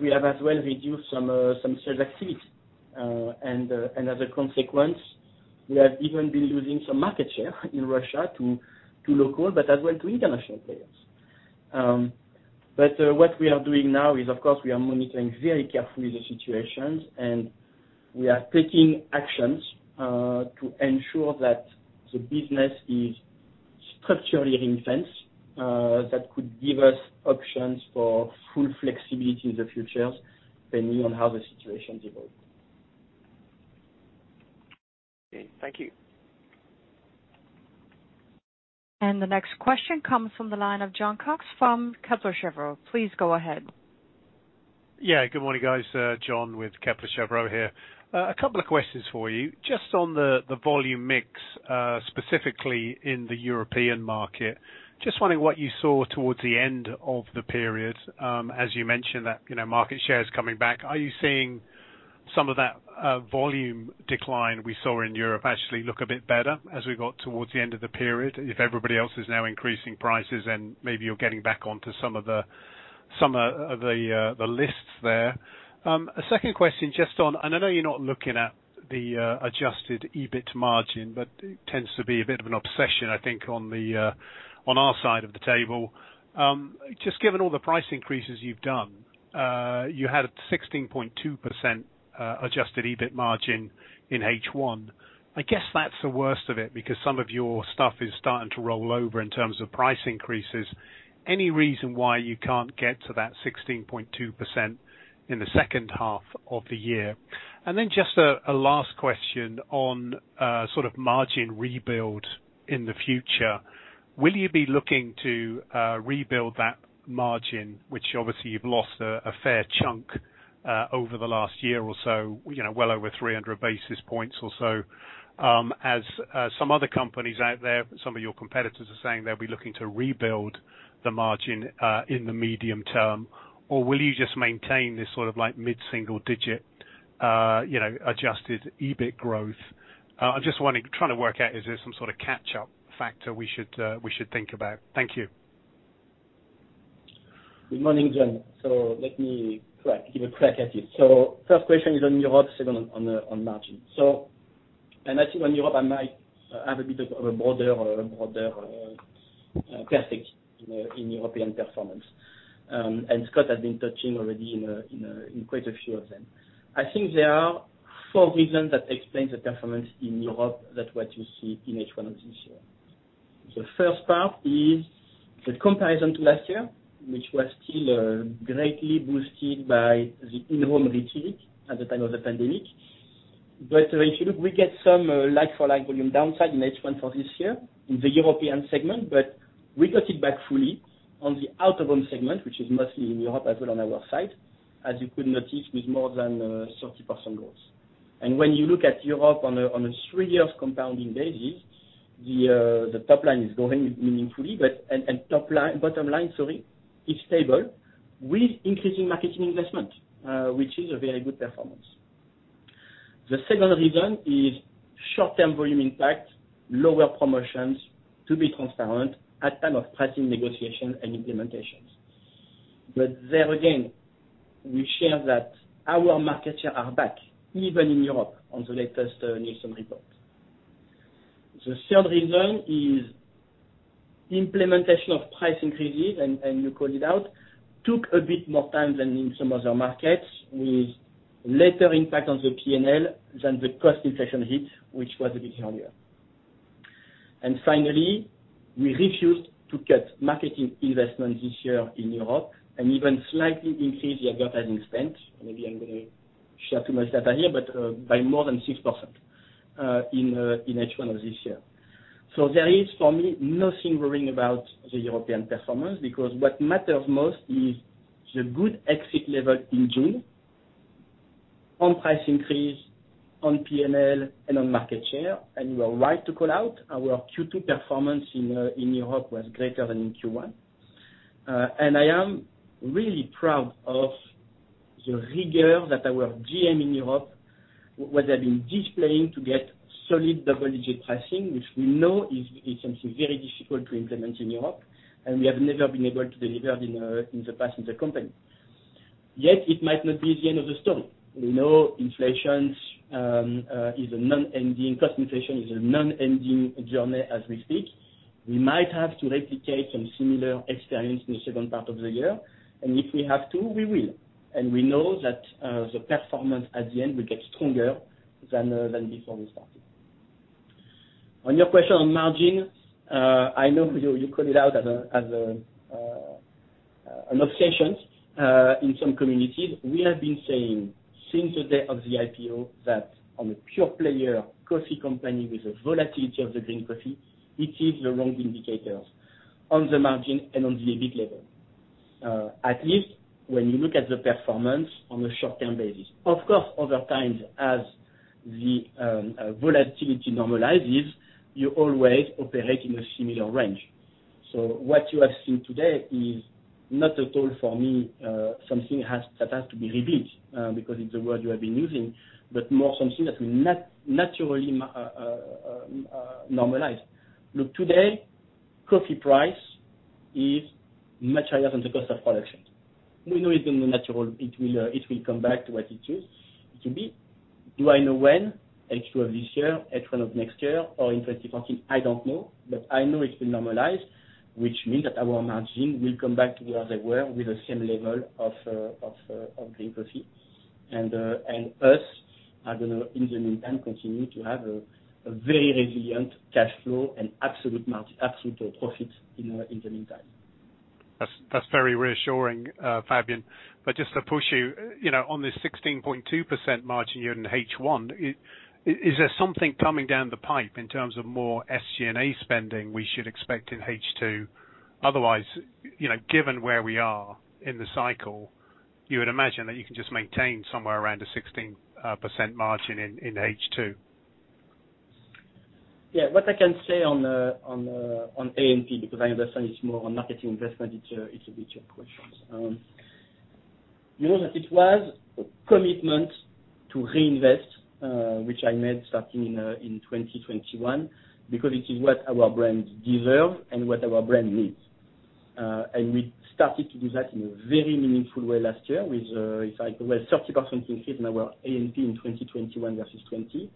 We have as well reduced some sales activities. As a consequence, we have even been losing some market share in Russia to local, but as well to international players. What we are doing now is, of course, we are monitoring very carefully the situations, and we are taking actions to ensure that the business is structurally intense, that could give us options for full flexibility in the future, depending on how the situations evolve. Okay. Thank you. The next question comes from the line of Jon Cox from Kepler Cheuvreux. Please go ahead. Yeah. Good morning, guys. Jon Cox with Kepler Cheuvreux here. A couple of questions for you. Just on the volume mix, specifically in the European market, just wondering what you saw towards the end of the period, as you mentioned that, you know, market share is coming back. Are you seeing some of that volume decline we saw in Europe actually look a bit better as we got towards the end of the period, if everybody else is now increasing prices and maybe you're getting back onto some of the lists there? A second question just on, and I know you're not looking at the adjusted EBIT margin, but it tends to be a bit of an obsession, I think, on our side of the table. Just given all the price increases you've done, you had a 16.2% adjusted EBIT margin in H1. I guess that's the worst of it because some of your stuff is starting to roll over in terms of price increases. Any reason why you can't get to that 16.2% in the second half of the year? Then just a last question on sort of margin rebuild in the future. Will you be looking to rebuild that margin, which obviously you've lost a fair chunk over the last year or so, you know, well over 300 basis points or so, as some other companies out there, some of your competitors are saying they'll be looking to rebuild the margin in the medium term. Will you just maintain this sort of like mid-single digit, you know, adjusted EBIT growth? I'm just trying to work out, is there some sort of catch-up factor we should think about? Thank you. Good morning, John. Let me take a crack at you. First question is on Europe, second on margin. I think on Europe, I might have a bit of a broader perspective on the European performance. Scott has been touching on already in quite a few of them. I think there are four reasons that explain the performance in Europe than what you see in H1 of this year. The first part is the comparison to last year, which was still greatly boosted by the In-Home boost at the time of the pandemic. If you look, we get some like-for-like volume downside in H1 for this year in the European segment. We got it back fully on the Out-of-Home segment, which is mostly in Europe as well on our side, as you could notice with more than 30% growth. When you look at Europe on a three-year compounding basis, the top line is growing meaningfully, but the bottom line, sorry, is stable with increasing marketing investment, which is a very good performance. The second reason is short-term volume impact, lower promotions, to be transparent at time of pricing, negotiation and implementations. There again, we saw that our market shares are back even in Europe on the latest Nielsen report. The third reason is implementation of price increases, and you called it out, took a bit more time than in some other markets, with lesser impact on the P&L than the cost inflation hit, which was a bit higher. Finally, we refused to cut marketing investment this year in Europe and even slightly increase the advertising spend. Maybe I'm gonna share too much data here, but by more than 6% in H1 of this year. There is, for me, nothing worrying about the European performance, because what matters most is the good exit level in June on price increase, on P&L and on market share. You are right to call out, our Q2 performance in Europe was greater than in Q1. I am really proud of the rigor that our GM in Europe was displaying to get solid double-digit pricing, which we know is something very difficult to implement in Europe, and we have never been able to deliver in the past in the company. Yet it might not be the end of the story. We know cost inflation is a non-ending journey as we speak. We might have to replicate some similar experience in the second part of the year, and if we have to, we will. We know that the performance at the end will get stronger than before we started. On your question on margin, I know you called it out as an obsession in some communities. We have been saying since the day of the IPO that on a pure player coffee company with the volatility of the green coffee, it is the wrong indicators on the margin and on the EBIT level, at least when you look at the performance on a short-term basis. Of course, over time, as the volatility normalizes, you always operate in a similar range. What you have seen today is not at all, for me, something that has to be rebuilt, because it's a word you have been using, but more something that will naturally normalize. Look, today, coffee price is much higher than the cost of production. We know it's been natural. It will come back to what it used to be. Do I know when? H2 of this year, H1 of next year or in 2020? I don't know. I know it will normalize, which means that our margin will come back to where they were with the same level of green coffee. We are gonna, in the meantime, continue to have a very resilient cash flow and absolute profit in the meantime. That's very reassuring, Fabien. Just to push you know, on this 16.2% margin here in H1, is there something coming down the pipe in terms of more SG&A spending we should expect in H2? Otherwise, you know, given where we are in the cycle, you would imagine that you can just maintain somewhere around a 16% margin in H2. Yeah. What I can say on A&P, because I understand it's more on marketing investment, it's a bit of questions. You know that it was a commitment to reinvest, which I made starting in 2021, because it is what our brands deserve and what our brand needs. We started to do that in a very meaningful way last year with, if I recall, 30% increase in our A&P in 2021 versus 2020,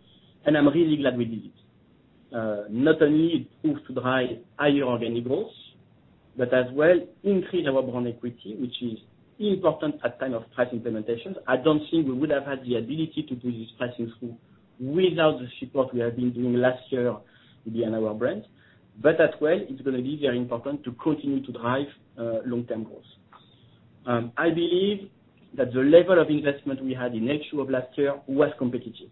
and I'm really glad we did it. Not only it proved to drive higher organic growth, but as well increase our brand equity, which is important at time of price implementations. I don't think we would have had the ability to do this pricing school without the support we have been doing last year with the annual brand. As well, it's gonna be very important to continue to drive long-term goals. I believe that the level of investment we had in H2 of last year was competitive,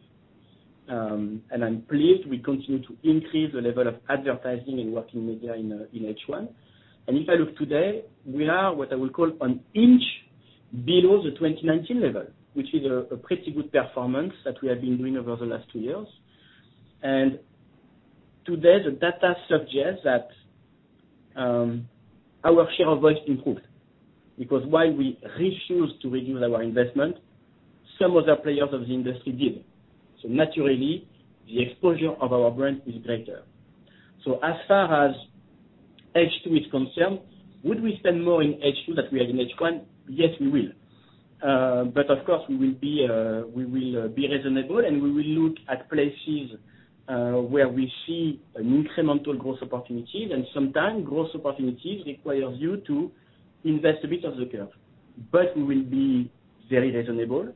and I'm pleased we continue to increase the level of advertising and working media in H1. If I look today, we are what I would call an inch below the 2019 level, which is a pretty good performance that we have been doing over the last two years. To date, the data suggests that our share have improved, because while we refuse to reduce our investment, some other players of the industry did. Naturally, the exposure of our brand is greater. As far as H2 is concerned, would we spend more in H2 than we have in H1? Yes, we will. Of course, we will be reasonable, and we will look at places where we see incremental growth opportunities, and sometimes growth opportunities requires you to invest ahead of the curve. We will be very reasonable,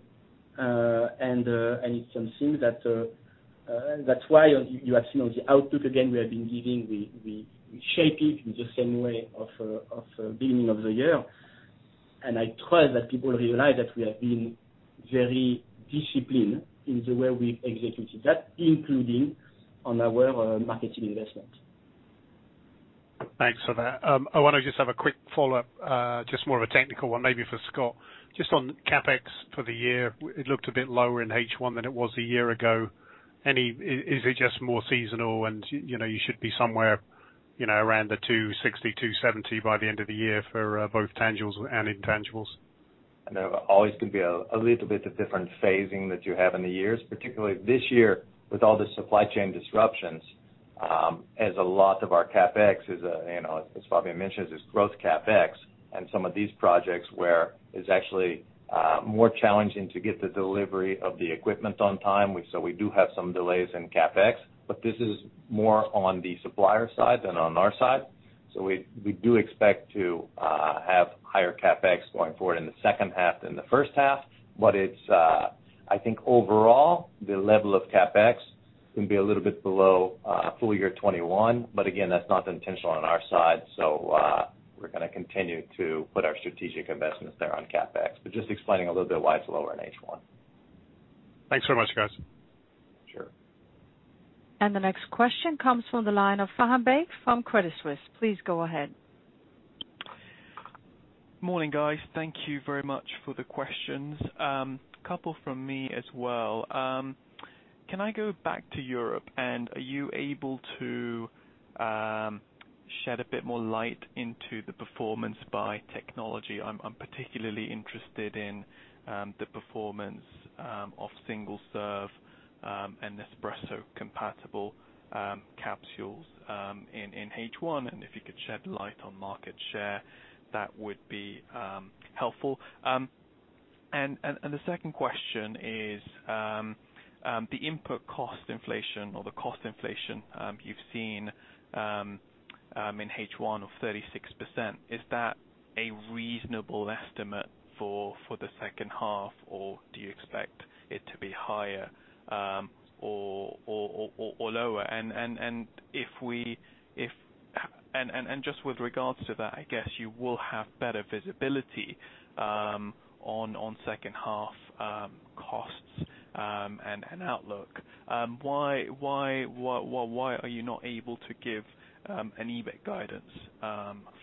and it seems that that's why you have seen in the outlook again. We have been giving. We shape it in the same way as the beginning of the year. I trust that people realize that we have been very disciplined in the way we executed that, including our marketing investment. Thanks for that. I wanna just have a quick follow-up, just more of a technical one, maybe for Scott. Just on CapEx for the year, it looked a bit lower in H1 than it was a year ago. Is it just more seasonal and, you know, you should be somewhere, you know, around the 260 million-270 million by the end of the year for both tangibles and intangibles? There always can be a little bit of different phasing that you have in the years, particularly this year with all the supply chain disruptions, as a lot of our CapEx is, you know, as Fabien mentioned, is growth CapEx and some of these projects where it's actually more challenging to get the delivery of the equipment on time, so we do have some delays in CapEx, but this is more on the supplier side than on our side. We do expect to have higher CapEx going forward in the second half than the first half. I think overall, the level of CapEx can be a little bit below full year 2021, but again, that's not the intention on our side. We're gonna continue to put our strategic investments there on CapEx. Just explaining a little bit why it's lower in H1. Thanks so much, guys. Sure. The next question comes from the line of Faham Baig from Credit Suisse. Please go ahead. Morning, guys. Thank you very much for the questions. Couple from me as well. Can I go back to Europe and are you able to shed a bit more light into the performance by technology? I'm particularly interested in the performance of single serve and Nespresso compatible capsules in H1, and if you could shed light on market share, that would be helpful. The second question is the input cost inflation or the cost inflation you've seen in H1 of 36%, is that a reasonable estimate for the second half, or do you expect it to be higher or lower? Just with regards to that, I guess you will have better visibility on second half costs and outlook. Why are you not able to give an EBIT guidance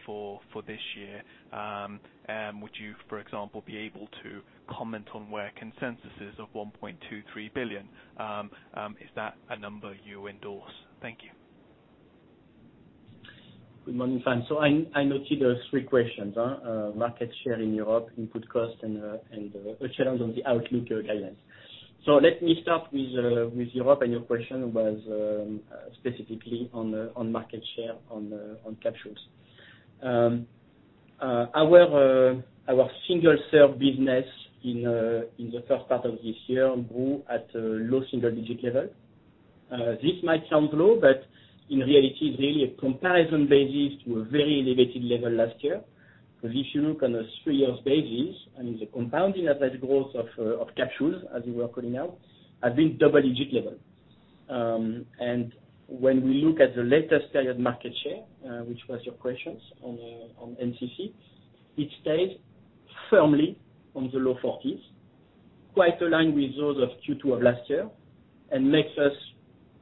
for this year? Would you, for example, be able to comment on where consensus is of 1.23 billion? Is that a number you endorse? Thank you. Good morning, Faham. I noted those three questions, market share in Europe, input cost and a challenge on the outlook guidance. Let me start with Europe, and your question was specifically on market share on capsules. Our single serve business in the first part of this year grew at low single digit level. This might sound low, but in reality, it's really a comparison basis to a very elevated level last year. 'Cause if you look on a three years basis, and the compounding effect growth of capsules as you were calling out, have been double digit level. When we look at the latest period market share, which was your questions on NCC, it stays firmly on the low 40s, quite aligned with those of Q2 of last year and makes us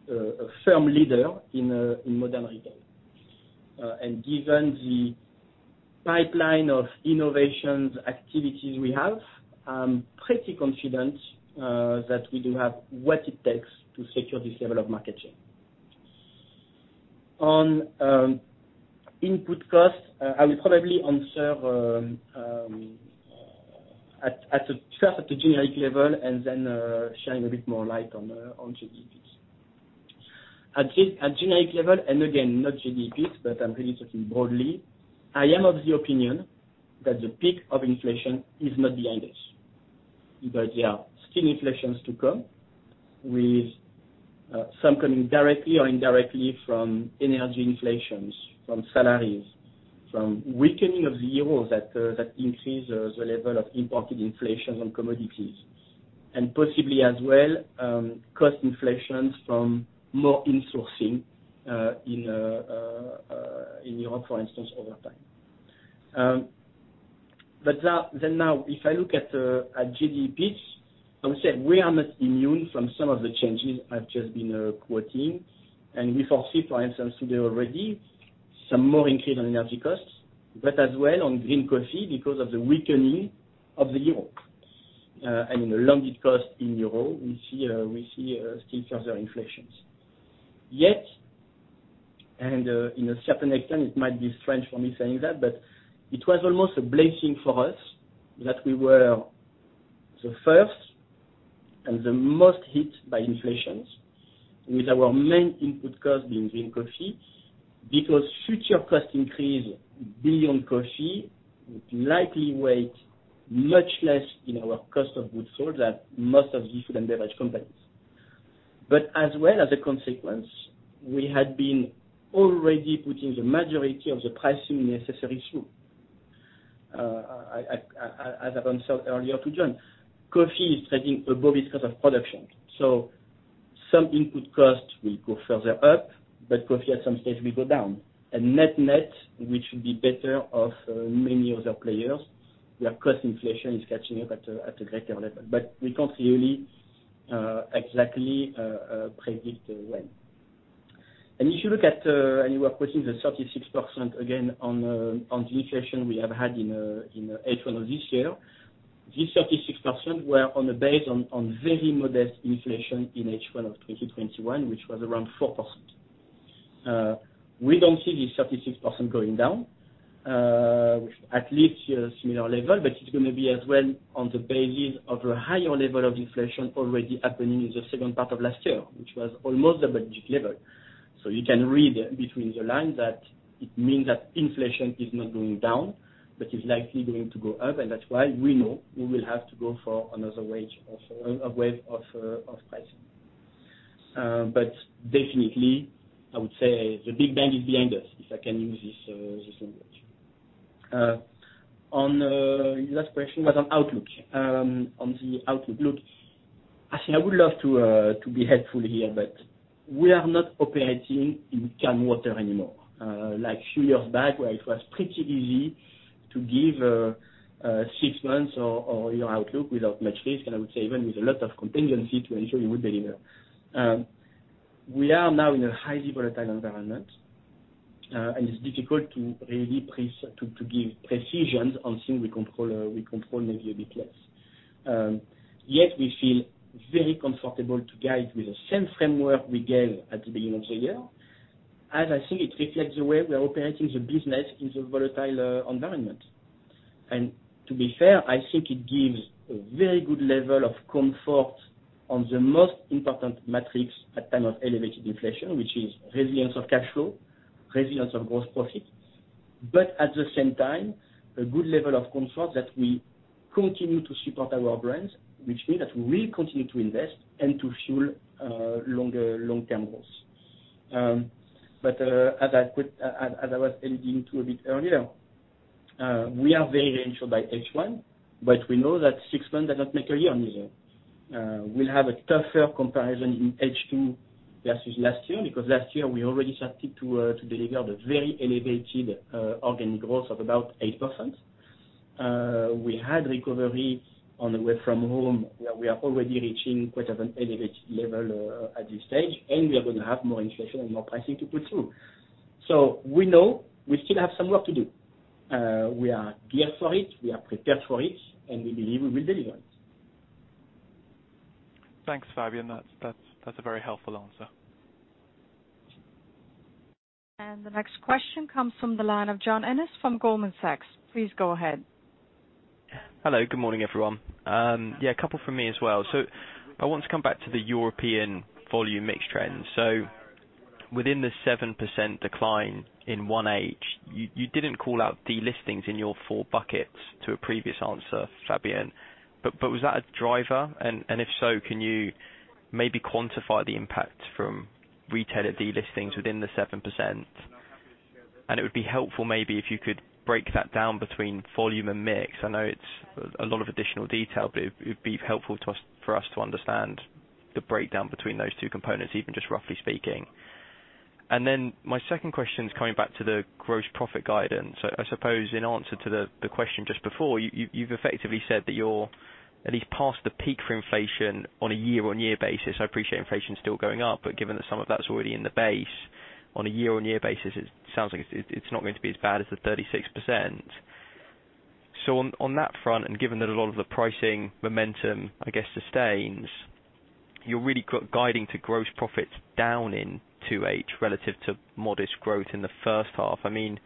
a firm leader in modern retail. Given the pipeline of innovations activities we have, I'm pretty confident that we do have what it takes to secure this level of market share. On input costs, I will probably answer first at a generic level and then shine a bit more light on JDE Peet's. At generic level, again, not JDE Peet's, but I'm really talking broadly. I am of the opinion that the peak of inflation is not behind us, because there are still inflations to come, with some coming directly or indirectly from energy inflations, from salaries, from weakening of the euro that increase the level of imported inflation on commodities, and possibly as well, cost inflations from more insourcing in Europe, for instance, over time. That then now, if I look at JDE Peet's, I would say we are not immune from some of the changes I've just been quoting. We foresee, for instance, today already some more increase on energy costs, but as well on green coffee because of the weakening of the euro, I mean, the landed cost in euro. We see still further inflation. To a certain extent, it might be strange for me saying that, but it was almost a blessing for us that we were the first and the most hit by inflation with our main input cost being green coffee, because further cost increase beyond coffee would likely weigh much less in our cost of goods sold than most of the food and beverage companies. As well, as a consequence, we had been already putting the majority of the pricing necessary through. As I said earlier to John, coffee is trading above its cost of production. Some input costs will go further up, but coffee at some stage will go down. At net-net, we should be better off many other players where cost inflation is catching up at a greater level. We can't really exactly predict when. If you look at and you were quoting the 36% again on the inflation we have had in H1 of this year, this 36% was on a base of very modest inflation in H1 of 2021, which was around 4%. We don't see this 36% going down at least to a similar level, but it's gonna be as well on the basis of a higher level of inflation already happening in the second part of last year, which was almost a double level. You can read between the lines that it means that inflation is not going down, but it's likely going to go up, and that's why we know we will have to go for another wave of pricing. Definitely I would say the big bang is behind us, if I can use this language. Your last question was on outlook. On the outlook, look, I think I would love to be helpful here, but we are not operating in calm water anymore. Like few years back where it was pretty easy to give six months or, you know, outlook without much risk, and I would say even with a lot of contingency to ensure you would deliver. We are now in a highly volatile environment, and it's difficult to really to give precisions on things we control maybe a bit less. Yet we feel very comfortable to guide with the same framework we gave at the beginning of the year, as I think it reflects the way we are operating the business in the volatile environment. To be fair, I think it gives a very good level of comfort on the most important metrics at time of elevated inflation, which is resilience of cash flow, resilience of gross profits. At the same time, a good level of comfort that we continue to support our brands, which means that we will continue to invest and to fuel long-term goals. As I was alluding to a bit earlier, we are very reassured by H1. We know that six months does not make a year either. We'll have a tougher comparison in H2 versus last year, because last year we already started to deliver the very elevated organic growth of about 8%. We had recovery on the work from home, where we are already reaching quite an elevated level at this stage, and we are gonna have more inflation and more pricing to put through. We know we still have some work to do. We are geared for it, we are prepared for it, and we believe we will deliver it. Thanks, Fabien. That's a very helpful answer. The next question comes from the line of John Ennis from Goldman Sachs. Please go ahead. Hello. Good morning, everyone. Yeah, a couple from me as well. I want to come back to the European volume mix trends. Within the 7% decline in 1H, you didn't call out delistings in your four buckets to a previous answer, Fabien, but was that a driver? And if so, can you maybe quantify the impact from retailer delistings within the 7%? And it would be helpful maybe if you could break that down between volume and mix. I know it's a lot of additional detail, but it'd be helpful for us to understand the breakdown between those two components, even just roughly speaking. Then my second question is coming back to the gross profit guidance. I suppose in answer to the question just before, you've effectively said that you're at least past the peak for inflation on a year-on-year basis. I appreciate inflation's still going up, but given that some of that's already in the base, on a year-on-year basis, it sounds like it's not going to be as bad as the 36%. On that front, and given that a lot of the pricing momentum, I guess, sustains, you're really guiding to gross profits down in 2H relative to modest growth in the first half. I mean,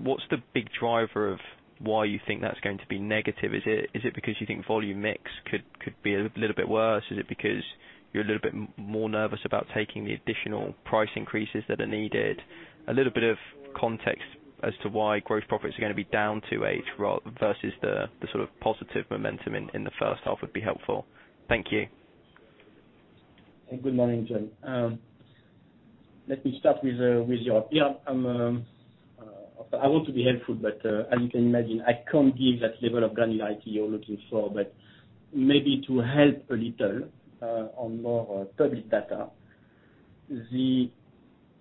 what's the big driver of why you think that's going to be negative? Is it because you think volume mix could be a little bit worse? Is it because you're a little bit more nervous about taking the additional price increases that are needed? A little bit of context as to why gross profits are gonna be down 2H versus the sort of positive momentum in the first half would be helpful. Thank you. Good morning, John. Let me start. Yeah, I want to be helpful, but as you can imagine, I can't give that level of granularity you're looking for. Maybe to help a little, on more public data. The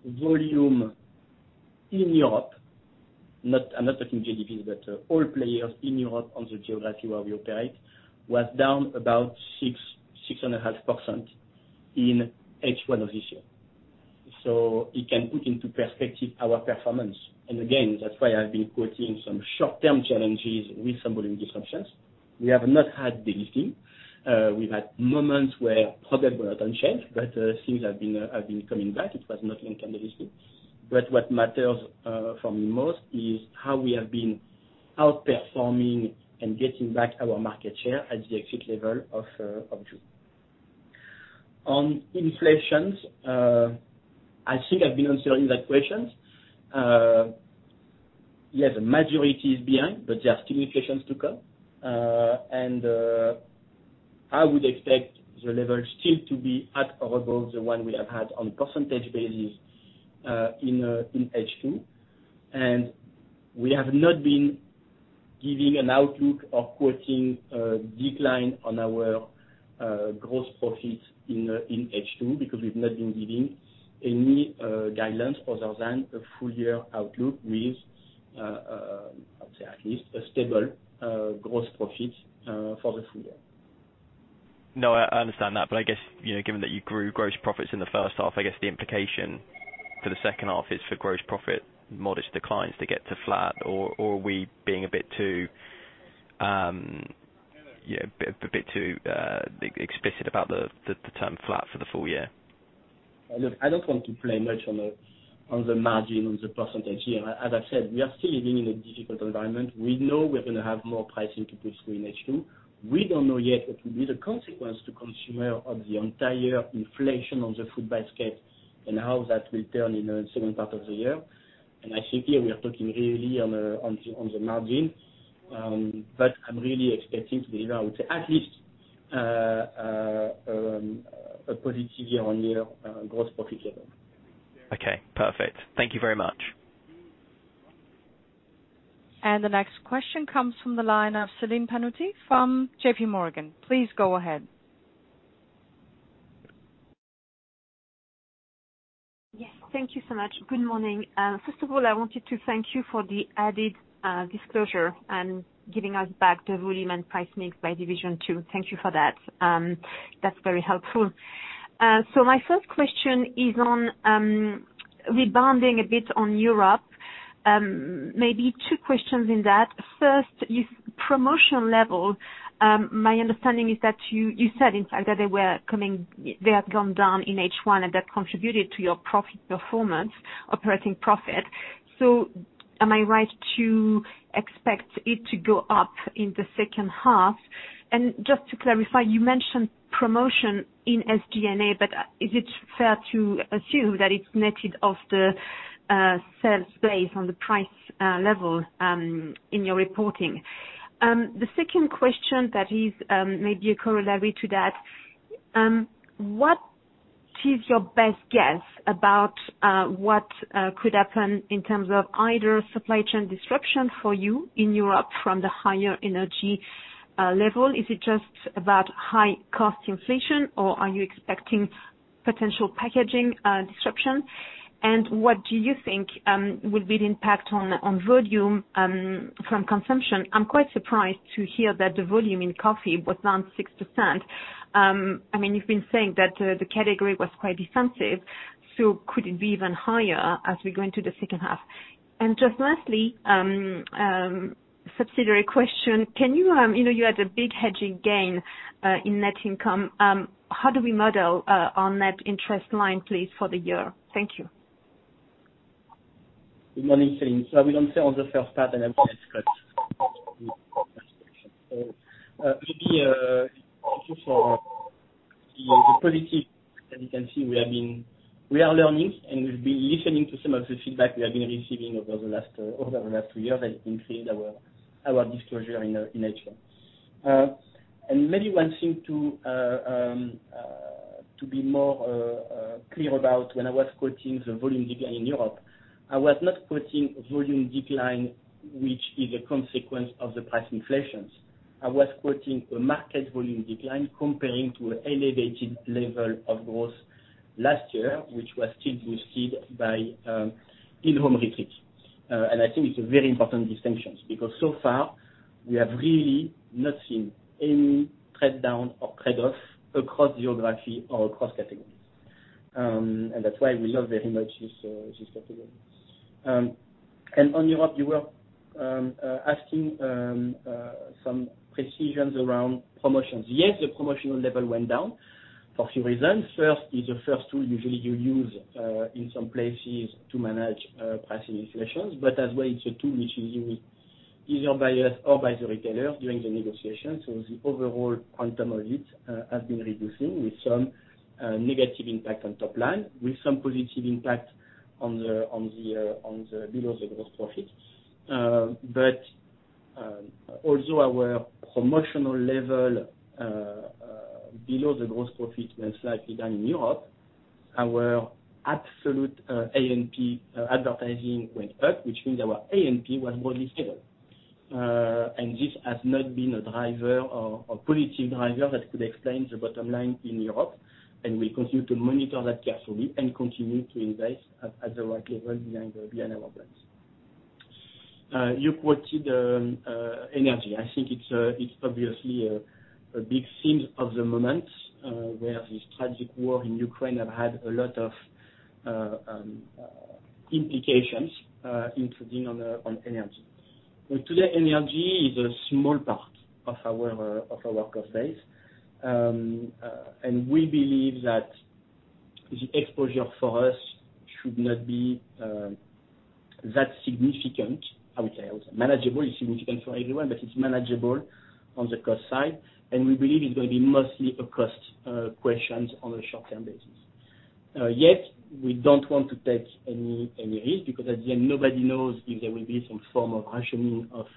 volume in Europe. I'm not talking JDE Peet's, but all players in Europe on the geography where we operate was down about 6.5% in H1 of this year. You can put into perspective our performance. Again, that's why I've been quoting some short-term challenges with some volume disruptions. We have not had the listing. We've had moments where products were out of stock, but things have been coming back. It was not linked to the listing. What matters, for me most is how we have been outperforming and getting back our market share at the exit level of June. On inflation, I think I've been answering that question. Yes, the majority is behind, but there are still inflation to come. I would expect the level still to be at or above the one we have had on percentage basis, in H2. We have not been giving an outlook or quoting a decline on our gross profits in H2, because we've not been giving any guidelines other than a full year outlook with, I would say, at least a stable gross profit for the full year. No, I understand that, but I guess, you know, given that you grew gross profits in the first half, I guess the implication for the second half is for gross profit modestly declines to get to flat. Or are we being a bit too explicit about the term flat for the full year? Look, I don't want to play much on the margin, on the percentage here. As I said, we are still living in a difficult environment. We know we're gonna have more pricing to push through in H2. We don't know yet what will be the consequence to consumer of the entire inflation on the food basket and how that will turn in the second part of the year. I think here we are talking really on the margin. I'm really expecting to be around, at least, a positive year-on-year gross profit level. Okay, perfect. Thank you very much. The next question comes from the line of Celine Pannuti from JPMorgan. Please go ahead. Yes, thank you so much. Good morning. First of all, I wanted to thank you for the added disclosure and giving us back the volume and price mix by division, too. Thank you for that. That's very helpful. My first question is on rebounding a bit on Europe, maybe two questions in that. First, your promotional level, my understanding is that you said, in fact, that they have gone down in H1, and that contributed to your profit performance, operating profit. Am I right to expect it to go up in the second half? And just to clarify, you mentioned promotion in SG&A, but is it fair to assume that it's netted of the sales base on the price level in your reporting? The second question that is maybe a corollary to that, what is your best guess about what could happen in terms of either supply chain disruption for you in Europe from the higher energy level? Is it just about high cost inflation, or are you expecting potential packaging disruption? What do you think will be the impact on volume from consumption? I'm quite surprised to hear that the volume in coffee was down 6%. I mean, you've been saying that the category was quite defensive, so could it be even higher as we go into the second half? Just lastly, subsidiary question, can you know, you had a big hedging gain in net income. How do we model our net interest line, please, for the year? Thank you. Good morning, Celine. I will answer on the first part, and I will ask Scott to comment on the second. Maybe thank you for the opportunity. As you can see, we are learning, and we've been listening to some of the feedback we have been receiving over the last two years, and increased our disclosure in H1. Maybe one thing to be more clear about when I was quoting the volume decline in Europe, I was not quoting volume decline, which is a consequence of the price inflations. I was quoting a market volume decline comparing to an elevated level of growth last year, which was still boosted by In-Home retreat. I think it's a very important distinction. Because so far, we have really not seen any trade-down or trade-off across geography or across categories. That's why we love very much this category. On Europe, you were asking some precisions around promotions. Yes, the promotional level went down for a few reasons. First is the tool usually you use in some places to manage price inflations, but as well, it's a tool which is used either by us or by the retailer during the negotiation. The overall quantum of it has been reducing with some negative impact on top line, with some positive impact on the below the gross profit. Also our promotional level below the gross profit went slightly down in Europe. Our absolute A&P advertising went up, which means our A&P was more stable. This has not been a driver or positive driver that could explain the bottom line in Europe, and we continue to monitor that carefully and continue to invest at the right level behind our brands. You quoted energy. I think it's obviously a big theme of the moment, where this tragic war in Ukraine have had a lot of implications, including on energy. Today, energy is a small part of our cost base. We believe that the exposure for us should not be that significant. I would say also manageable. It's significant for everyone, but it's manageable on the cost side, and we believe it's gonna be mostly a cost questions on a short-term basis. Yet we don't want to take any risk because at the end, nobody knows if there will be some form of rationing of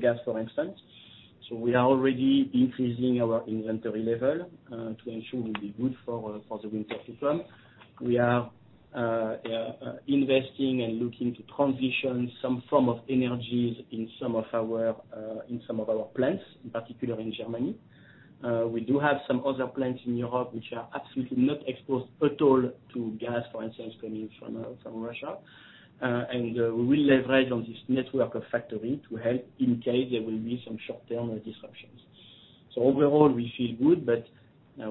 gas, for instance. We are already increasing our inventory level to ensure we'll be good for the winter season. We are investing and looking to transition some form of energies in some of our plants, in particular in Germany. We do have some other plants in Europe which are absolutely not exposed at all to gas, for instance, coming from Russia. We will leverage on this network of factories to help in case there will be some short-term disruptions. Overall, we feel good, but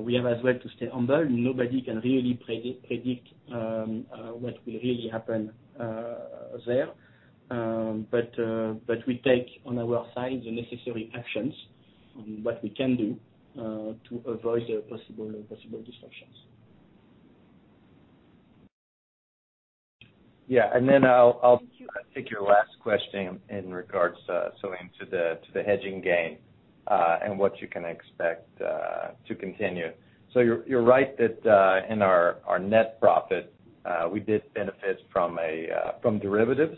we have as well to stay humble. Nobody can really predict what will really happen there. We take on our side the necessary actions on what we can do to avoid the possible disruptions. Yeah. Then I'll take your last question in regards, Celine, to the hedging gain, and what you can expect to continue. You're right that in our net profit we did benefit from derivatives.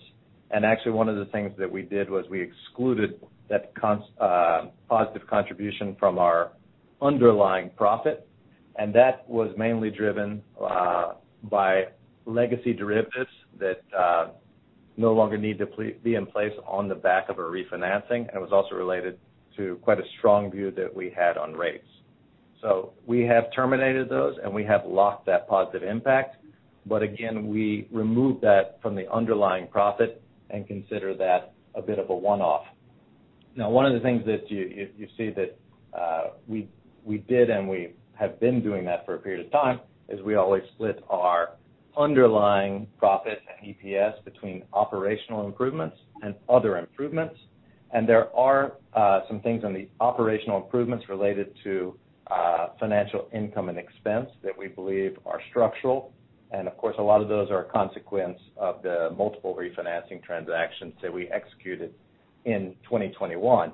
Actually one of the things that we did was we excluded that constant positive contribution from our underlying profit, and that was mainly driven by legacy derivatives that no longer need to be in place on the back of a refinancing, and it was also related to quite a strong view that we had on rates. We have terminated those, and we have locked that positive impact. Again, we removed that from the underlying profit and consider that a bit of a one-off. Now, one of the things that you see that we did and we have been doing that for a period of time is we always split our underlying profit and EPS between operational improvements and other improvements. There are some things on the operational improvements related to financial income and expense that we believe are structural. Of course, a lot of those are a consequence of the multiple refinancing transactions that we executed in 2021.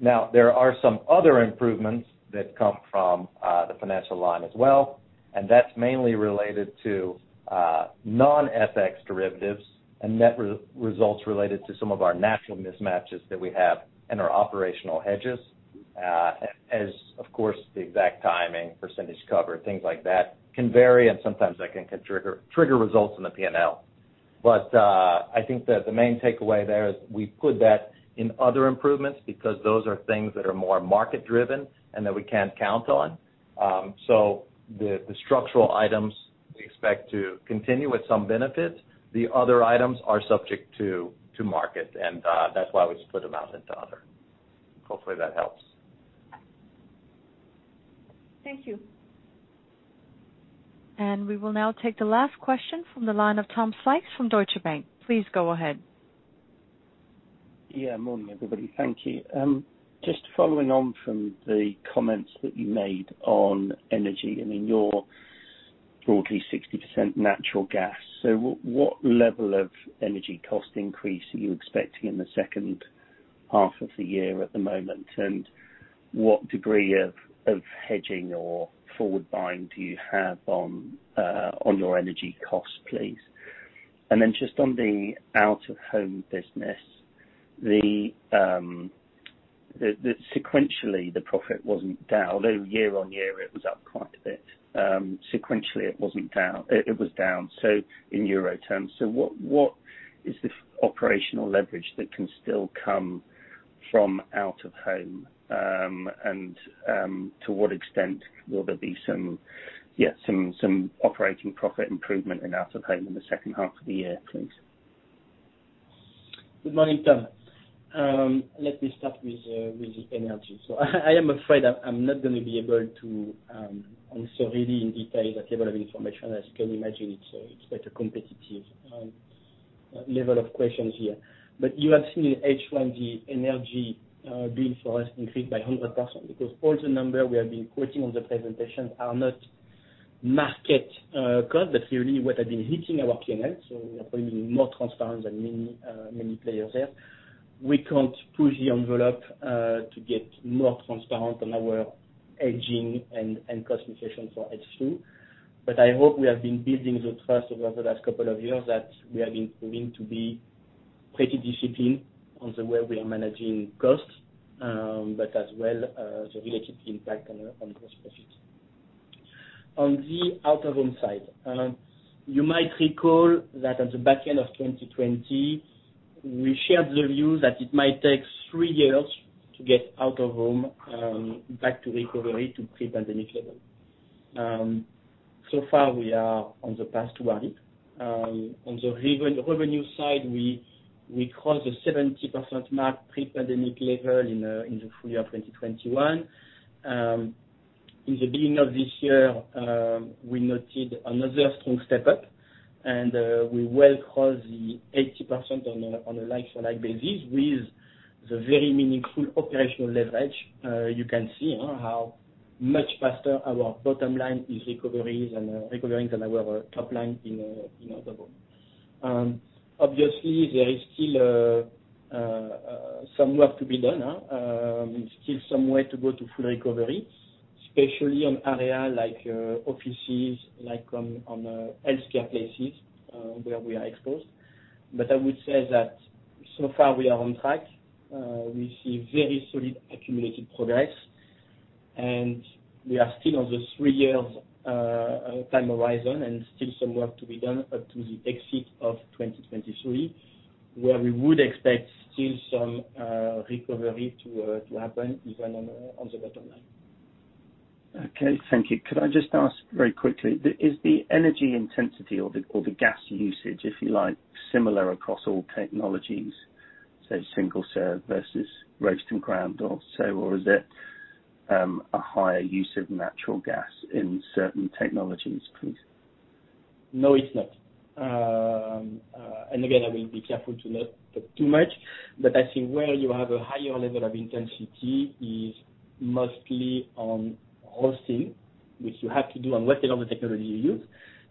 Now, there are some other improvements that come from the financial line as well, and that's mainly related to non-FX derivatives and net results related to some of our natural mismatches that we have in our operational hedges. Of course, the exact timing, percentage cover, things like that can vary, and sometimes that can trigger results in the P&L. I think that the main takeaway there is we put that in other improvements because those are things that are more market driven and that we can't count on. The structural items, we expect to continue with some benefits. The other items are subject to market, and that's why we split them out into other. Hopefully that helps. Thank you. We will now take the last question from the line of Tom Sykes from Deutsche Bank. Please go ahead. Yeah. Morning, everybody. Thank you. Just following on from the comments that you made on energy, I mean, you're broadly 60% natural gas. What level of energy cost increase are you expecting in the second half of the year at the moment? And what degree of hedging or forward buying do you have on your energy costs, please? And then just on the Out-of-Home business, sequentially, the profit wasn't down, although year-on-year it was up quite a bit. Sequentially, it wasn't down. It was down, so in euro terms. What is the operational leverage that can still come from Out-of-Home? To what extent will there be some operating profit improvement in Out-of-Home in the second half of the year, please? Good morning, Tom. Let me start with the energy. I am afraid I'm not gonna be able to answer really in detail that level of information. As you can imagine, it's quite a competitive level of questions here. You have seen in H1, the energy bill for us increased by 100% because all the numbers we have been quoting on the presentation are not market cost, but really what have been hitting our P&L, so we are probably more transparent than many players there. We can't push the envelope to get more transparent on our hedging and cost inflation for H2. I hope we have been building the trust over the last couple of years that we have been proving to be pretty disciplined on the way we are managing costs, but as well, the related impact on gross profits. On the Out-of-Home side, you might recall that at the back end of 2020, we shared the view that it might take three years to get Out-of-Home back to recovery to pre-pandemic level. So far, we are on the path to recovery. On the revenue side, we crossed the 70% mark pre-pandemic level in the full year of 2021. In the beginning of this year, we noted another strong step up, and, we will cross the 80% on a, on a like-for-like basis with the very meaningful operational leverage. You can see how much faster our bottom line is recovering than our top line in Out-of-Home. Obviously, there is still some work to be done to go to full recovery, especially in areas like offices, like in healthcare places, where we are exposed. I would say that so far, we are on track. We see very solid accumulated progress, and we are still on the three-year time horizon and still some work to be done up to the exit of 2023, where we would expect still some recovery to happen even on the bottom line. Okay, thank you. Could I just ask very quickly, is the energy intensity or the gas usage, if you like, similar across all technologies, say, single-serve versus roasted and ground or so, or is it a higher use of natural gas in certain technologies, please? No, it's not. I will be careful to not talk too much, but I think where you have a higher level of intensity is mostly on hosting, which you have to do on whatever the technology you use.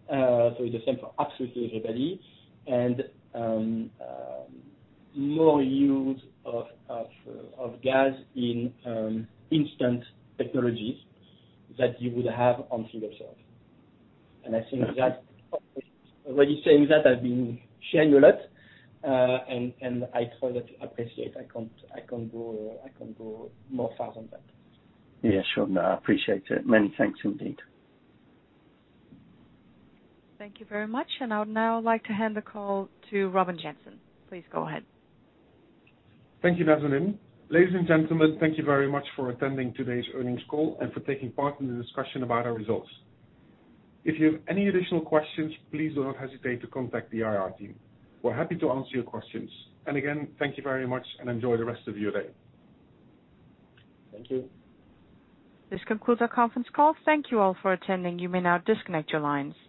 It's the same for absolutely everybody and more use of gas in instant technologies that you would have on single-serve. I think that's already saying that I've been sharing a lot, and I totally appreciate I can't go more far than that. Yeah, sure. No, I appreciate it. Many thanks indeed. Thank you very much. I would now like to hand the call to Robin Jansen. Please go ahead. Thank you, Nazanin. Ladies and gentlemen, thank you very much for attending today's earnings call and for taking part in the discussion about our results. If you have any additional questions, please do not hesitate to contact the IR team. We're happy to answer your questions. Again, thank you very much and enjoy the rest of your day. Thank you. This concludes our conference call. Thank you all for attending. You may now disconnect your lines.